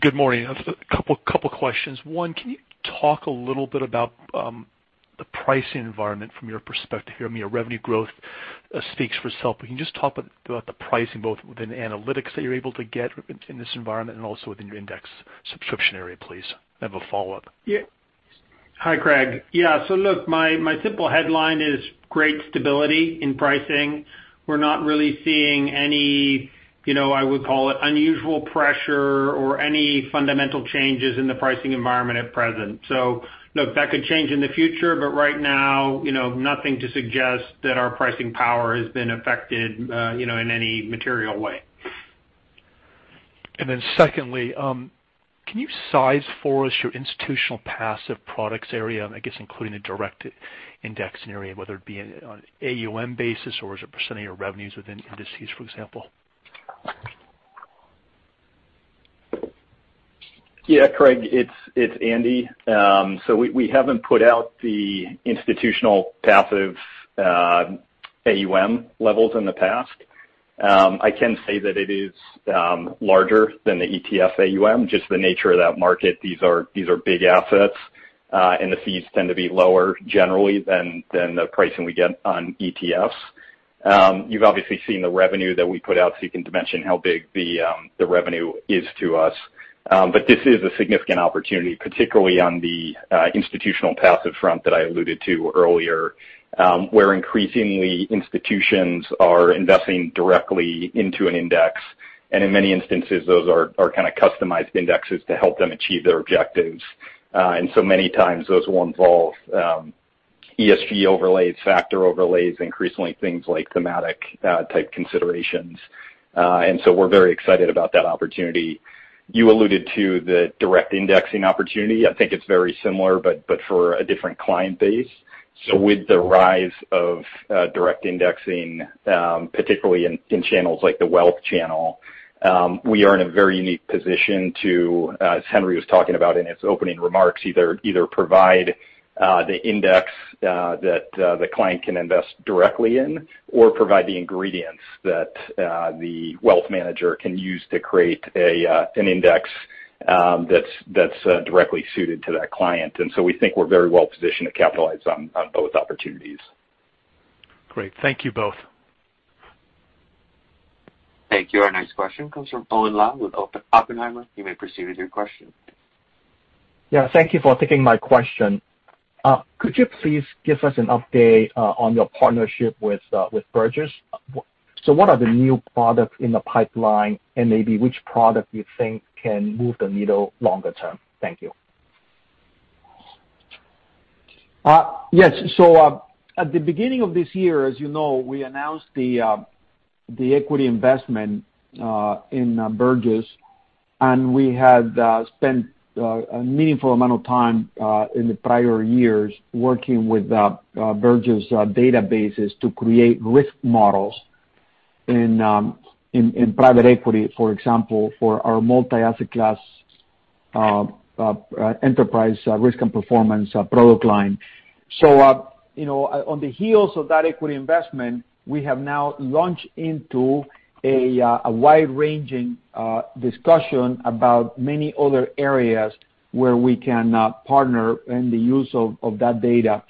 Good morning. A couple of questions. One, can you talk a little bit about the pricing environment from your perspective here? I mean, our revenue growth speaks for itself. Can you just talk about the pricing, both within analytics that you're able to get in this environment and also within your index subscription area, please? I have a follow-up. Hi, Craig. Yeah. Look, my simple headline is great stability in pricing. We're not really seeing any, I would call it, unusual pressure or any fundamental changes in the pricing environment at present. Look, that could change in the future, but right now, nothing to suggest that our pricing power has been affected in any material way. Secondly, can you size for us your institutional passive products area, I guess, including the direct indexing area, whether it be on AUM basis or as a percentage of revenues within indices, for example? Yeah, Craig, it's Andy. We haven't put out the institutional passive AUM levels in the past. I can say that it is larger than the ETF AUM, just the nature of that market. These are big assets, and the fees tend to be lower generally than the pricing we get on ETFs. You've obviously seen the revenue that we put out, so you can dimension how big the revenue is to us. This is a significant opportunity, particularly on the institutional passive front that I alluded to earlier, where increasingly institutions are investing directly into an index. In many instances, those are kind of customized indexes to help them achieve their objectives. Many times those will involve ESG overlays, factor overlays, increasingly things like thematic type considerations. We're very excited about that opportunity. You alluded to the direct indexing opportunity. I think it's very similar, but for a different client base. With the rise of direct indexing, particularly in channels like the wealth channel, we are in a very unique position to, as Henry was talking about in his opening remarks, either provide the index that the client can invest directly in or provide the ingredients that the wealth manager can use to create an index that's directly suited to that client. We think we're very well positioned to capitalize on both opportunities. Great. Thank you both. Thank you. Our next question comes from Owen Lau with Oppenheimer. You may proceed with your question. Yeah. Thank you for taking my question. Could you please give us an update on your partnership with Burgiss? What are the new products in the pipeline, and maybe which product you think can move the needle longer term? Thank you. Yes. At the beginning of this year, as you know, we announced the equity investment in Burgiss, and we had spent a meaningful amount of time in the prior years working with Burgiss databases to create risk models in private equity, for example, for our multi-asset class enterprise risk and performance product line. On the heels of that equity investment, we have now launched into a wide-ranging discussion about many other areas where we can partner in the use of that data.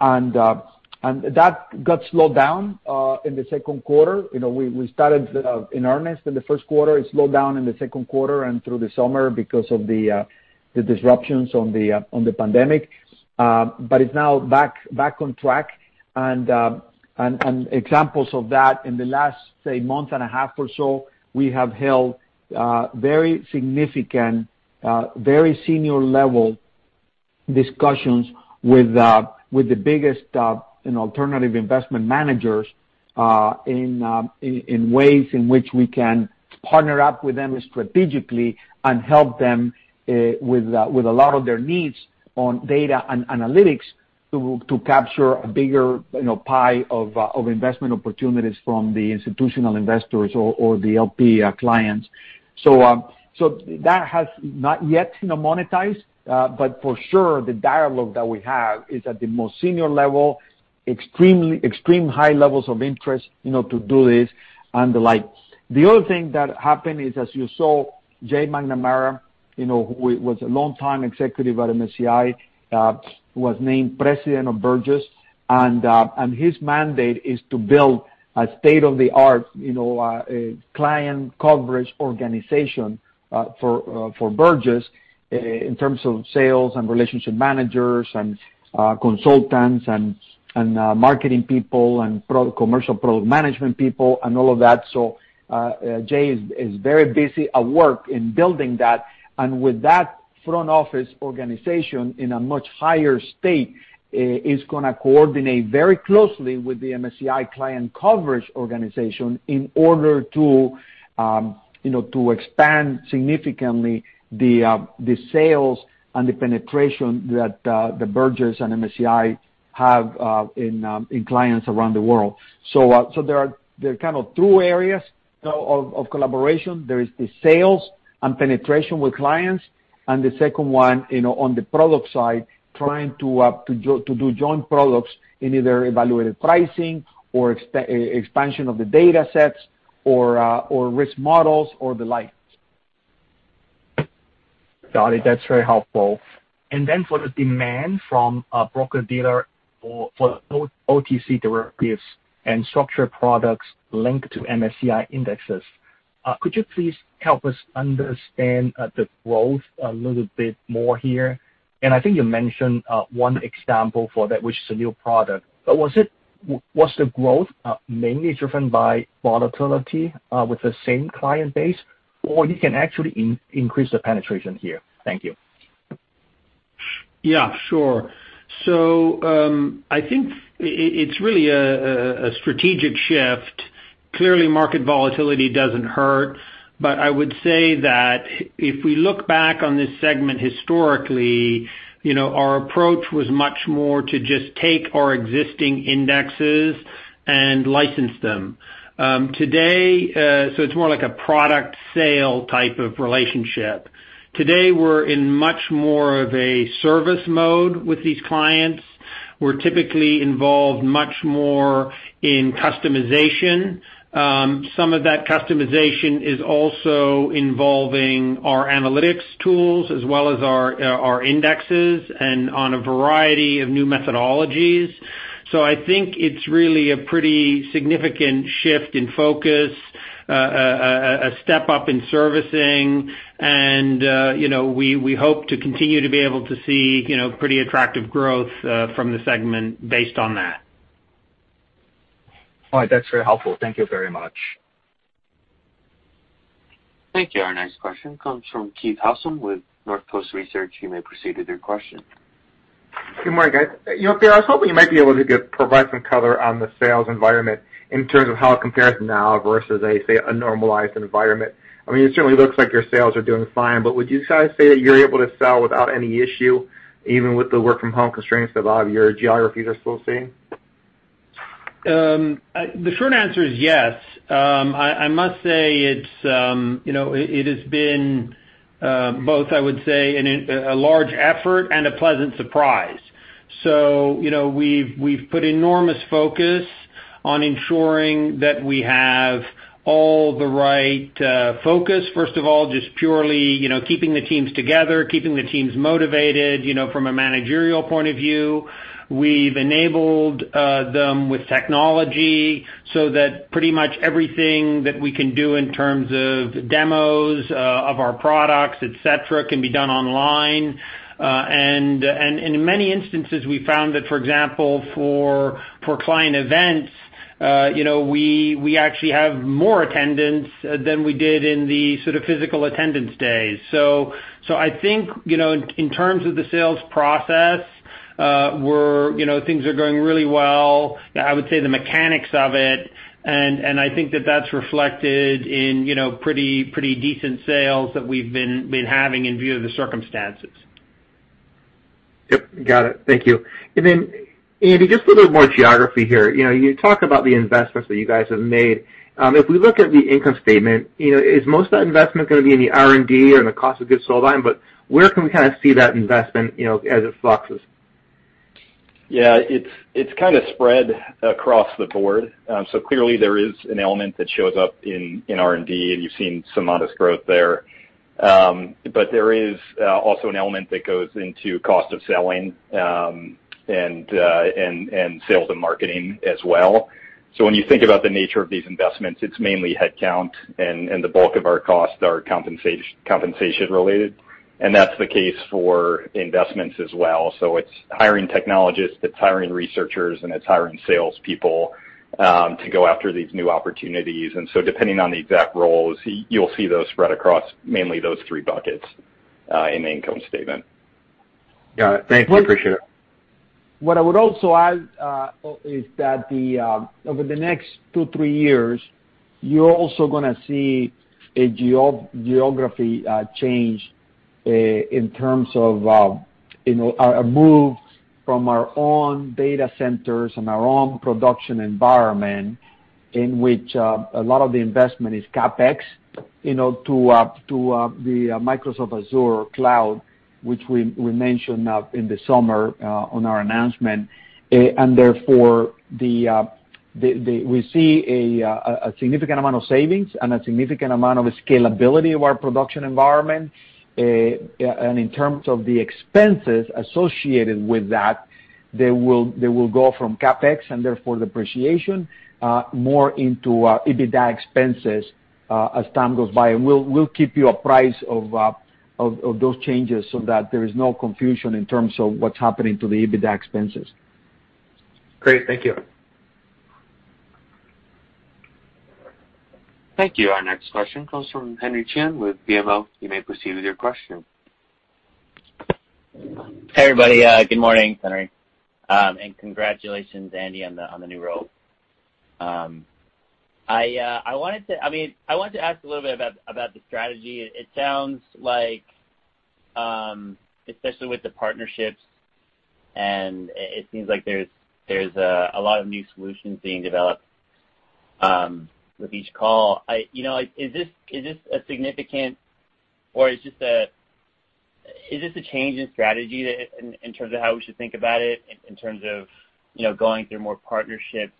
That got slowed down in the Q2. We started in earnest in the Q1. It slowed down in the Q2 and through the summer because of the disruptions on the pandemic. It's now back on track. Examples of that, in the last, say, month and a half or so, we have held very significant, very senior-level discussions with the biggest alternative investment managers in ways in which we can partner up with them strategically and help them with a lot of their needs on data and analytics to capture a bigger pie of investment opportunities from the institutional investors or the LP clients. That has not yet monetized, but for sure, the dialogue that we have is at the most senior level, extreme high levels of interest to do this and the like. The other thing that happened is, as you saw, Jay McNamara, who was a long-time executive at MSCI, was named president of Burgiss. His mandate is to build a state-of-the-art client coverage organization for Burgiss in terms of sales and relationship managers and consultants and marketing people and commercial product management people and all of that. Jay is very busy at work in building that. With that front office organization in a much higher state, is going to coordinate very closely with the MSCI client coverage organization in order to expand significantly the sales and the penetration that the Burgiss and MSCI have in clients around the world. There are kind of two areas of collaboration. There is the sales and penetration with clients, and the second one, on the product side, trying to do joint products in either evaluated pricing or expansion of the datasets or risk models or the like. Got it. That's very helpful. For the demand from broker-dealer for OTC derivatives and structured products linked to MSCI indexes, could you please help us understand the growth a little bit more here? I think you mentioned one example for that, which is a new product. Was the growth mainly driven by volatility with the same client base, or you can actually increase the penetration here? Thank you. Yeah, sure. I think it's really a strategic shift. Clearly, market volatility doesn't hurt, but I would say that if we look back on this segment historically, our approach was much more to just take our existing indexes and license them. It's more like a product sale type of relationship. Today, we're in much more of a service mode with these clients. We're typically involved much more in customization. Some of that customization is also involving our analytics tools as well as our indexes and on a variety of new methodologies. I think it's really a pretty significant shift in focus, a step up in servicing, and we hope to continue to be able to see pretty attractive growth from the segment based on that. All right. That's very helpful. Thank you very much. Thank you. Our next question comes from Keith Housum with Northcoast Research. You may proceed with your question. Good morning, guys. I was hoping you might be able to provide some color on the sales environment in terms of how it compares now versus, say, a normalized environment. It certainly looks like your sales are doing fine, but would you guys say that you're able to sell without any issue, even with the work-from-home constraints that a lot of your geographies are still seeing? The short answer is yes. I must say it has been both, I would say, a large effort and a pleasant surprise. We've put enormous focus on ensuring that we have all the right focus. First of all, just purely keeping the teams together, keeping the teams motivated from a managerial point of view. We've enabled them with technology so that pretty much everything that we can do in terms of demos of our products, et cetera, can be done online. In many instances, we found that, for example, for client events, we actually have more attendance than we did in the physical attendance days. I think in terms of the sales process, things are going really well. I would say the mechanics of it, and I think that that's reflected in pretty decent sales that we've been having in view of the circumstances. Yep. Got it. Thank you. Andy, just a little more geography here. You talk about the investments that you guys have made. If we look at the income statement, is most of that investment going to be in the R&D or in the cost of goods sold line, but where can we see that investment as it fluxes? Yeah. It's kind of spread across the board. Clearly there is an element that shows up in R&D, and you've seen some modest growth there. There is also an element that goes into cost of selling, and sales and marketing as well. When you think about the nature of these investments, it's mainly headcount, and the bulk of our costs are compensation-related. That's the case for investments as well. It's hiring technologists, it's hiring researchers, and it's hiring salespeople to go after these new opportunities. Depending on the exact roles, you'll see those spread across mainly those three buckets in the income statement. Got it. Thank you. Appreciate it. What I would also add is that over the next two, three years, you're also going to see a geography change in terms of moves from our own data centers and our own production environment, in which a lot of the investment is CapEx, to the Microsoft Azure Cloud, which we mentioned in the summer on our announcement. Therefore, we see a significant amount of savings and a significant amount of scalability of our production environment. In terms of the expenses associated with that, they will go from CapEx and therefore depreciation, more into EBITDA expenses as time goes by. We'll keep you apprised of those changes so that there is no confusion in terms of what's happening to the EBITDA expenses. Great. Thank you. Thank you. Our next question comes from Henry Chien with BMO. You may proceed with your question. Hey, everybody. Good morning, Henry, and congratulations, Andy, on the new role. I wanted to ask a little bit about the strategy. It sounds like, especially with the partnerships, and it seems like there's a lot of new solutions being developed with each call. Is this a significant? Is this a change in strategy in terms of how we should think about it in terms of going through more partnerships?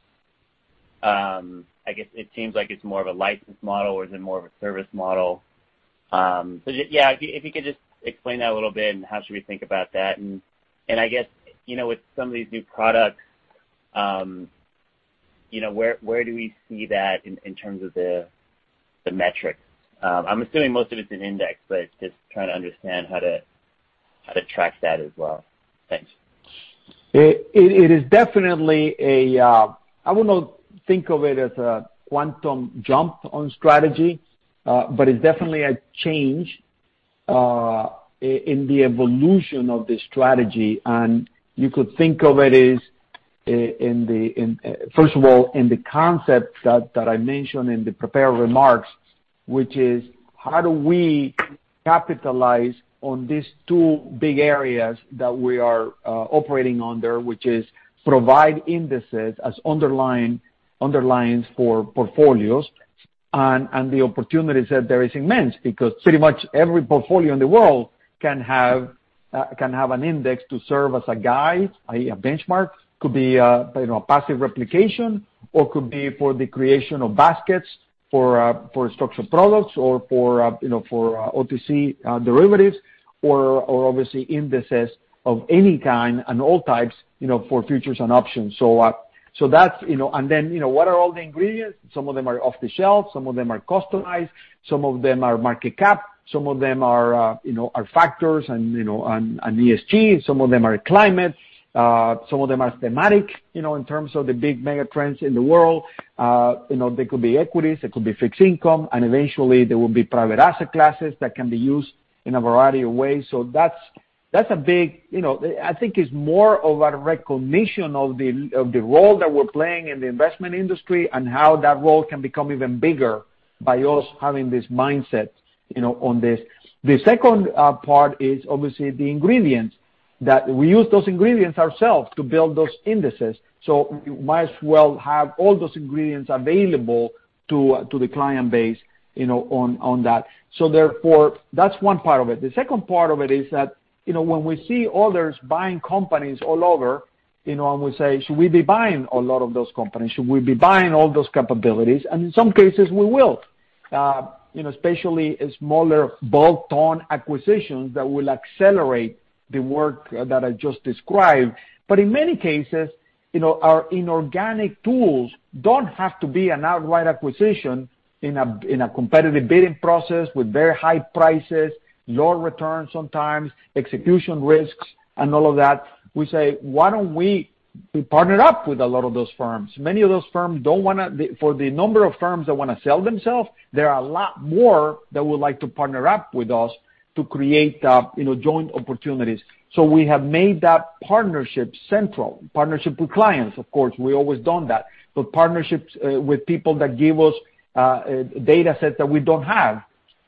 I guess it seems like it's more of a license model, or is it more of a service model? Yeah, if you could just explain that a little bit and how should we think about that. I guess, with some of these new products, where do we see that in terms of the metrics? I'm assuming most of it's in Index, but just trying to understand how to track that as well. Thanks. It is definitely a. I would not think of it as a quantum jump on strategy, but it's definitely a change in the evolution of the strategy. You could think of it as, first of all, in the concept that I mentioned in the prepared remarks, which is how do we capitalize on these two big areas that we are operating under, which is provide indices as underlyings for portfolios. The opportunities there is immense, because pretty much every portfolio in the world can have an index to serve as a guide, a benchmark. Could be a passive replication, or could be for the creation of baskets for structured products or for OTC derivatives or obviously indices of any kind and all types for futures and options. Then, what are all the ingredients? Some of them are off the shelf, some of them are customized, some of them are market cap, some of them are factors and ESG, some of them are climate, some of them are thematic in terms of the big mega trends in the world. They could be equities, they could be fixed income, and eventually there will be private asset classes that can be used in a variety of ways. I think it's more of a recognition of the role that we're playing in the investment industry and how that role can become even bigger by us having this mindset on this. The second part is obviously the ingredients. That we use those ingredients ourselves to build those indices. Might as well have all those ingredients available to the client base on that. Therefore, that's one part of it. The second part of it is that, when we see others buying companies all over, we say, "Should we be buying a lot of those companies? Should we be buying all those capabilities?" In some cases, we will. Especially smaller bolt-on acquisitions that will accelerate the work that I just described. In many cases, our inorganic tools don't have to be an outright acquisition in a competitive bidding process with very high prices, low returns sometimes, execution risks, and all of that. We say, "Why don't we partner up with a lot of those firms?" For the number of firms that want to sell themselves, there are a lot more that would like to partner up with us to create joint opportunities. We have made that partnership central. Partnership with clients, of course, we've always done that. Partnerships with people that give us data sets that we don't have,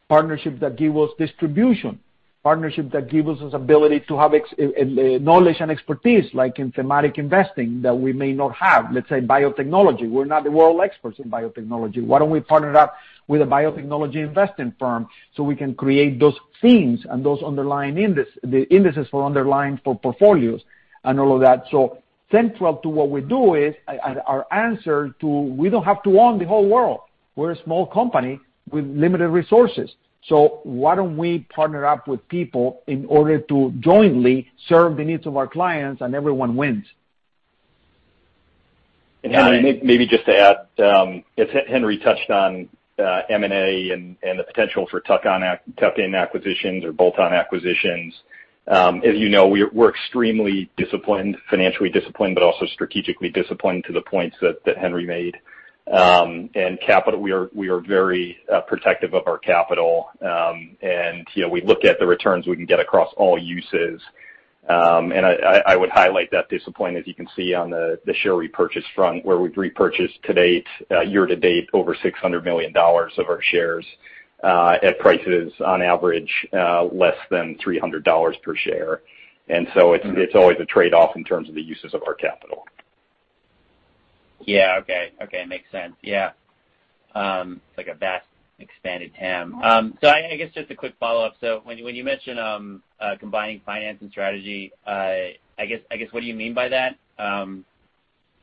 partnerships that give us distribution, partnerships that give us the ability to have knowledge and expertise, like in thematic investing, that we may not have. Let's say biotechnology. We're not the world experts in biotechnology. Why don't we partner up with a biotechnology investing firm so we can create those themes and those indices for underlying for portfolios and all of that. Central to what we do is, and our answer to, we don't have to own the whole world. We're a small company with limited resources. Why don't we partner up with people in order to jointly serve the needs of our clients, and everyone wins. Henry, maybe just to add, as Henry touched on M&A and the potential for tuck-in acquisitions or bolt-on acquisitions. As you know, we're extremely financially disciplined, but also strategically disciplined to the points that Henry made. We are very protective of our capital. We look at the returns we can get across all uses. I would highlight that discipline, as you can see on the share repurchase front, where we've repurchased year to date over $600 million of our shares at prices, on average, less than $300 per share. So it's always a trade-off in terms of the uses of our capital. Yeah. Okay. Makes sense. Yeah. It's like a vast expanded TAM. I guess just a quick follow-up. When you mention combining finance and strategy, I guess what do you mean by that?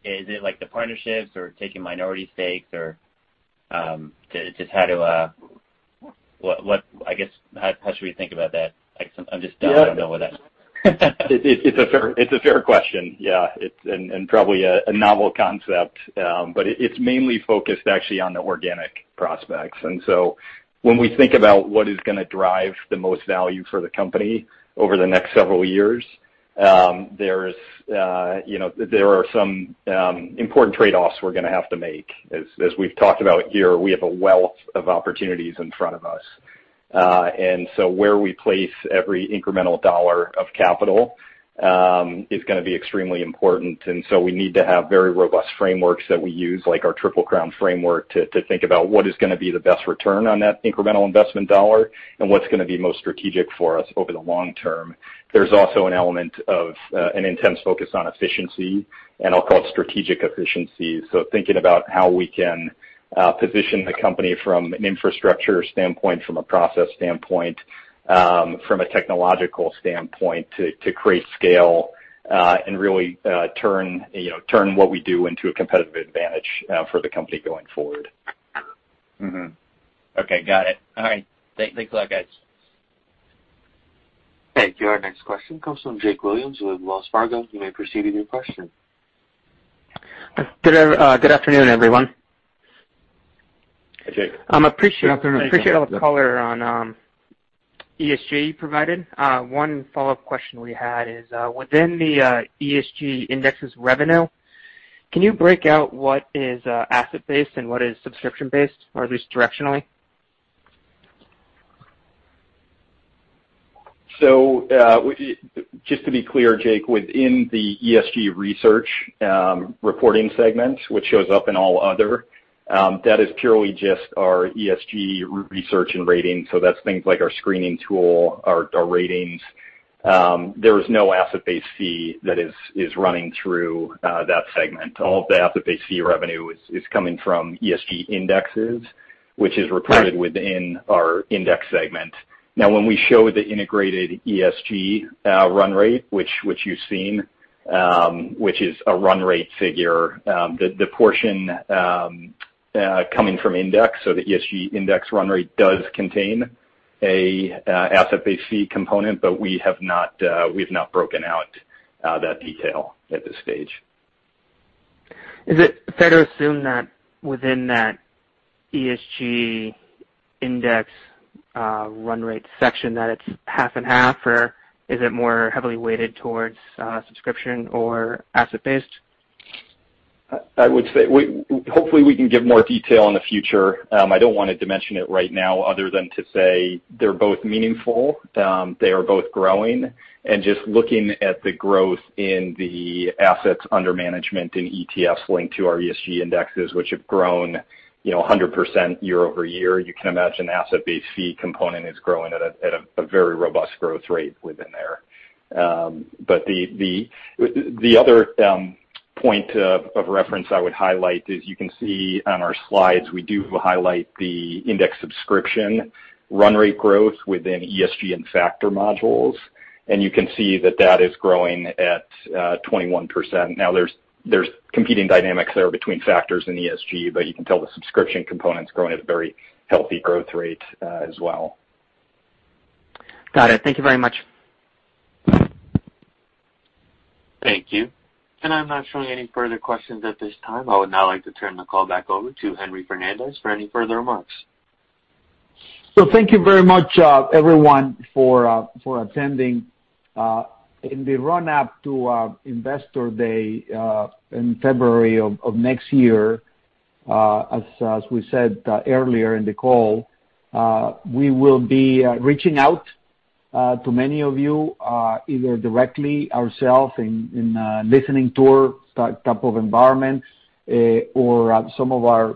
Is it like the partnerships or taking minority stakes? Just how should we think about that? Yeah. I don't know what that. It's a fair question, yeah, and probably a novel concept. It's mainly focused actually on the organic prospects. When we think about what is going to drive the most value for the company over the next several years, there are some important trade-offs we're going to have to make. As we've talked about here, we have a wealth of opportunities in front of us. Where we place every incremental dollar of capital is going to be extremely important. We need to have very robust frameworks that we use, like our Triple Crown framework, to think about what is going to be the best return on that incremental investment dollar and what's going to be most strategic for us over the long term. There's also an element of an intense focus on efficiency, and I'll call it strategic efficiency. Thinking about how we can position the company from an infrastructure standpoint, from a process standpoint, from a technological standpoint, to create scale, and really turn what we do into a competitive advantage for the company going forward. Okay, got it. All right. Thanks a lot, guys. Thank you. Our next question comes from Jake Williams with Wells Fargo. You may proceed with your question. Good afternoon, everyone. Hi, Jake. I appreciate all the color on ESG you provided. One follow-up question we had is, within the ESG indexes revenue, can you break out what is asset-based and what is subscription-based, or at least directionally? Just to be clear, Jake, within the ESG research reporting segment, which shows up in all other, that is purely just our ESG research and rating. That's things like our screening tool, our ratings. There is no asset-based fee that is running through that segment. All of the asset-based fee revenue is coming from ESG indexes, which is reported within our index segment. When we show the integrated ESG Run Rate, which you've seen, which is a Run Rate figure, the portion coming from index, the ESG index Run Rate does contain an asset-based fee component, but we have not broken out that detail at this stage. Is it fair to assume that within that ESG index Run Rate section that it's half and half, or is it more heavily weighted towards subscription or asset-based? I would say, hopefully we can give more detail in the future. I don't want to dimension it right now other than to say they're both meaningful, they are both growing, and just looking at the growth in the assets under management in ETFs linked to our ESG indexes, which have grown 100% year-over-year. You can imagine the asset-based fee component is growing at a very robust growth rate within there. The other point of reference I would highlight is you can see on our slides, we do highlight the index subscription Run Rate growth within ESG and factor modules, and you can see that that is growing at 21%. Now, there's competing dynamics there between factors and ESG, but you can tell the subscription component's growing at a very healthy growth rate as well. Got it. Thank you very much. Thank you. I'm not showing any further questions at this time. I would now like to turn the call back over to Henry Fernandez for any further remarks. Thank you very much everyone for attending. In the run up to Investor Day in February of next year, as we said earlier in the call, we will be reaching out to many of you, either directly ourselves in a listening tour type of environment, or some of our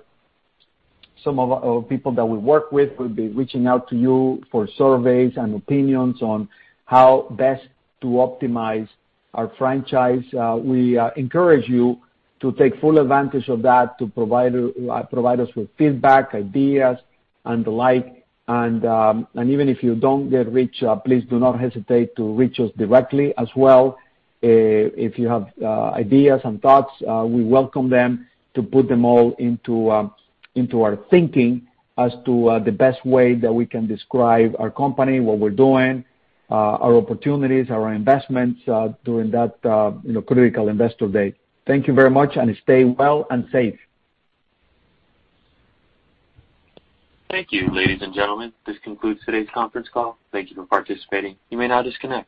people that we work with will be reaching out to you for surveys and opinions on how best to optimize our franchise. We encourage you to take full advantage of that to provide us with feedback, ideas, and the like. Even if you don't get reached, please do not hesitate to reach us directly as well. If you have ideas and thoughts, we welcome them to put them all into our thinking as to the best way that we can describe our company, what we're doing, our opportunities, our investments, during that critical Investor Day. Thank you very much, and stay well and safe. Thank you, ladies and gentlemen. This concludes today's conference call. Thank you for participating. You may now disconnect.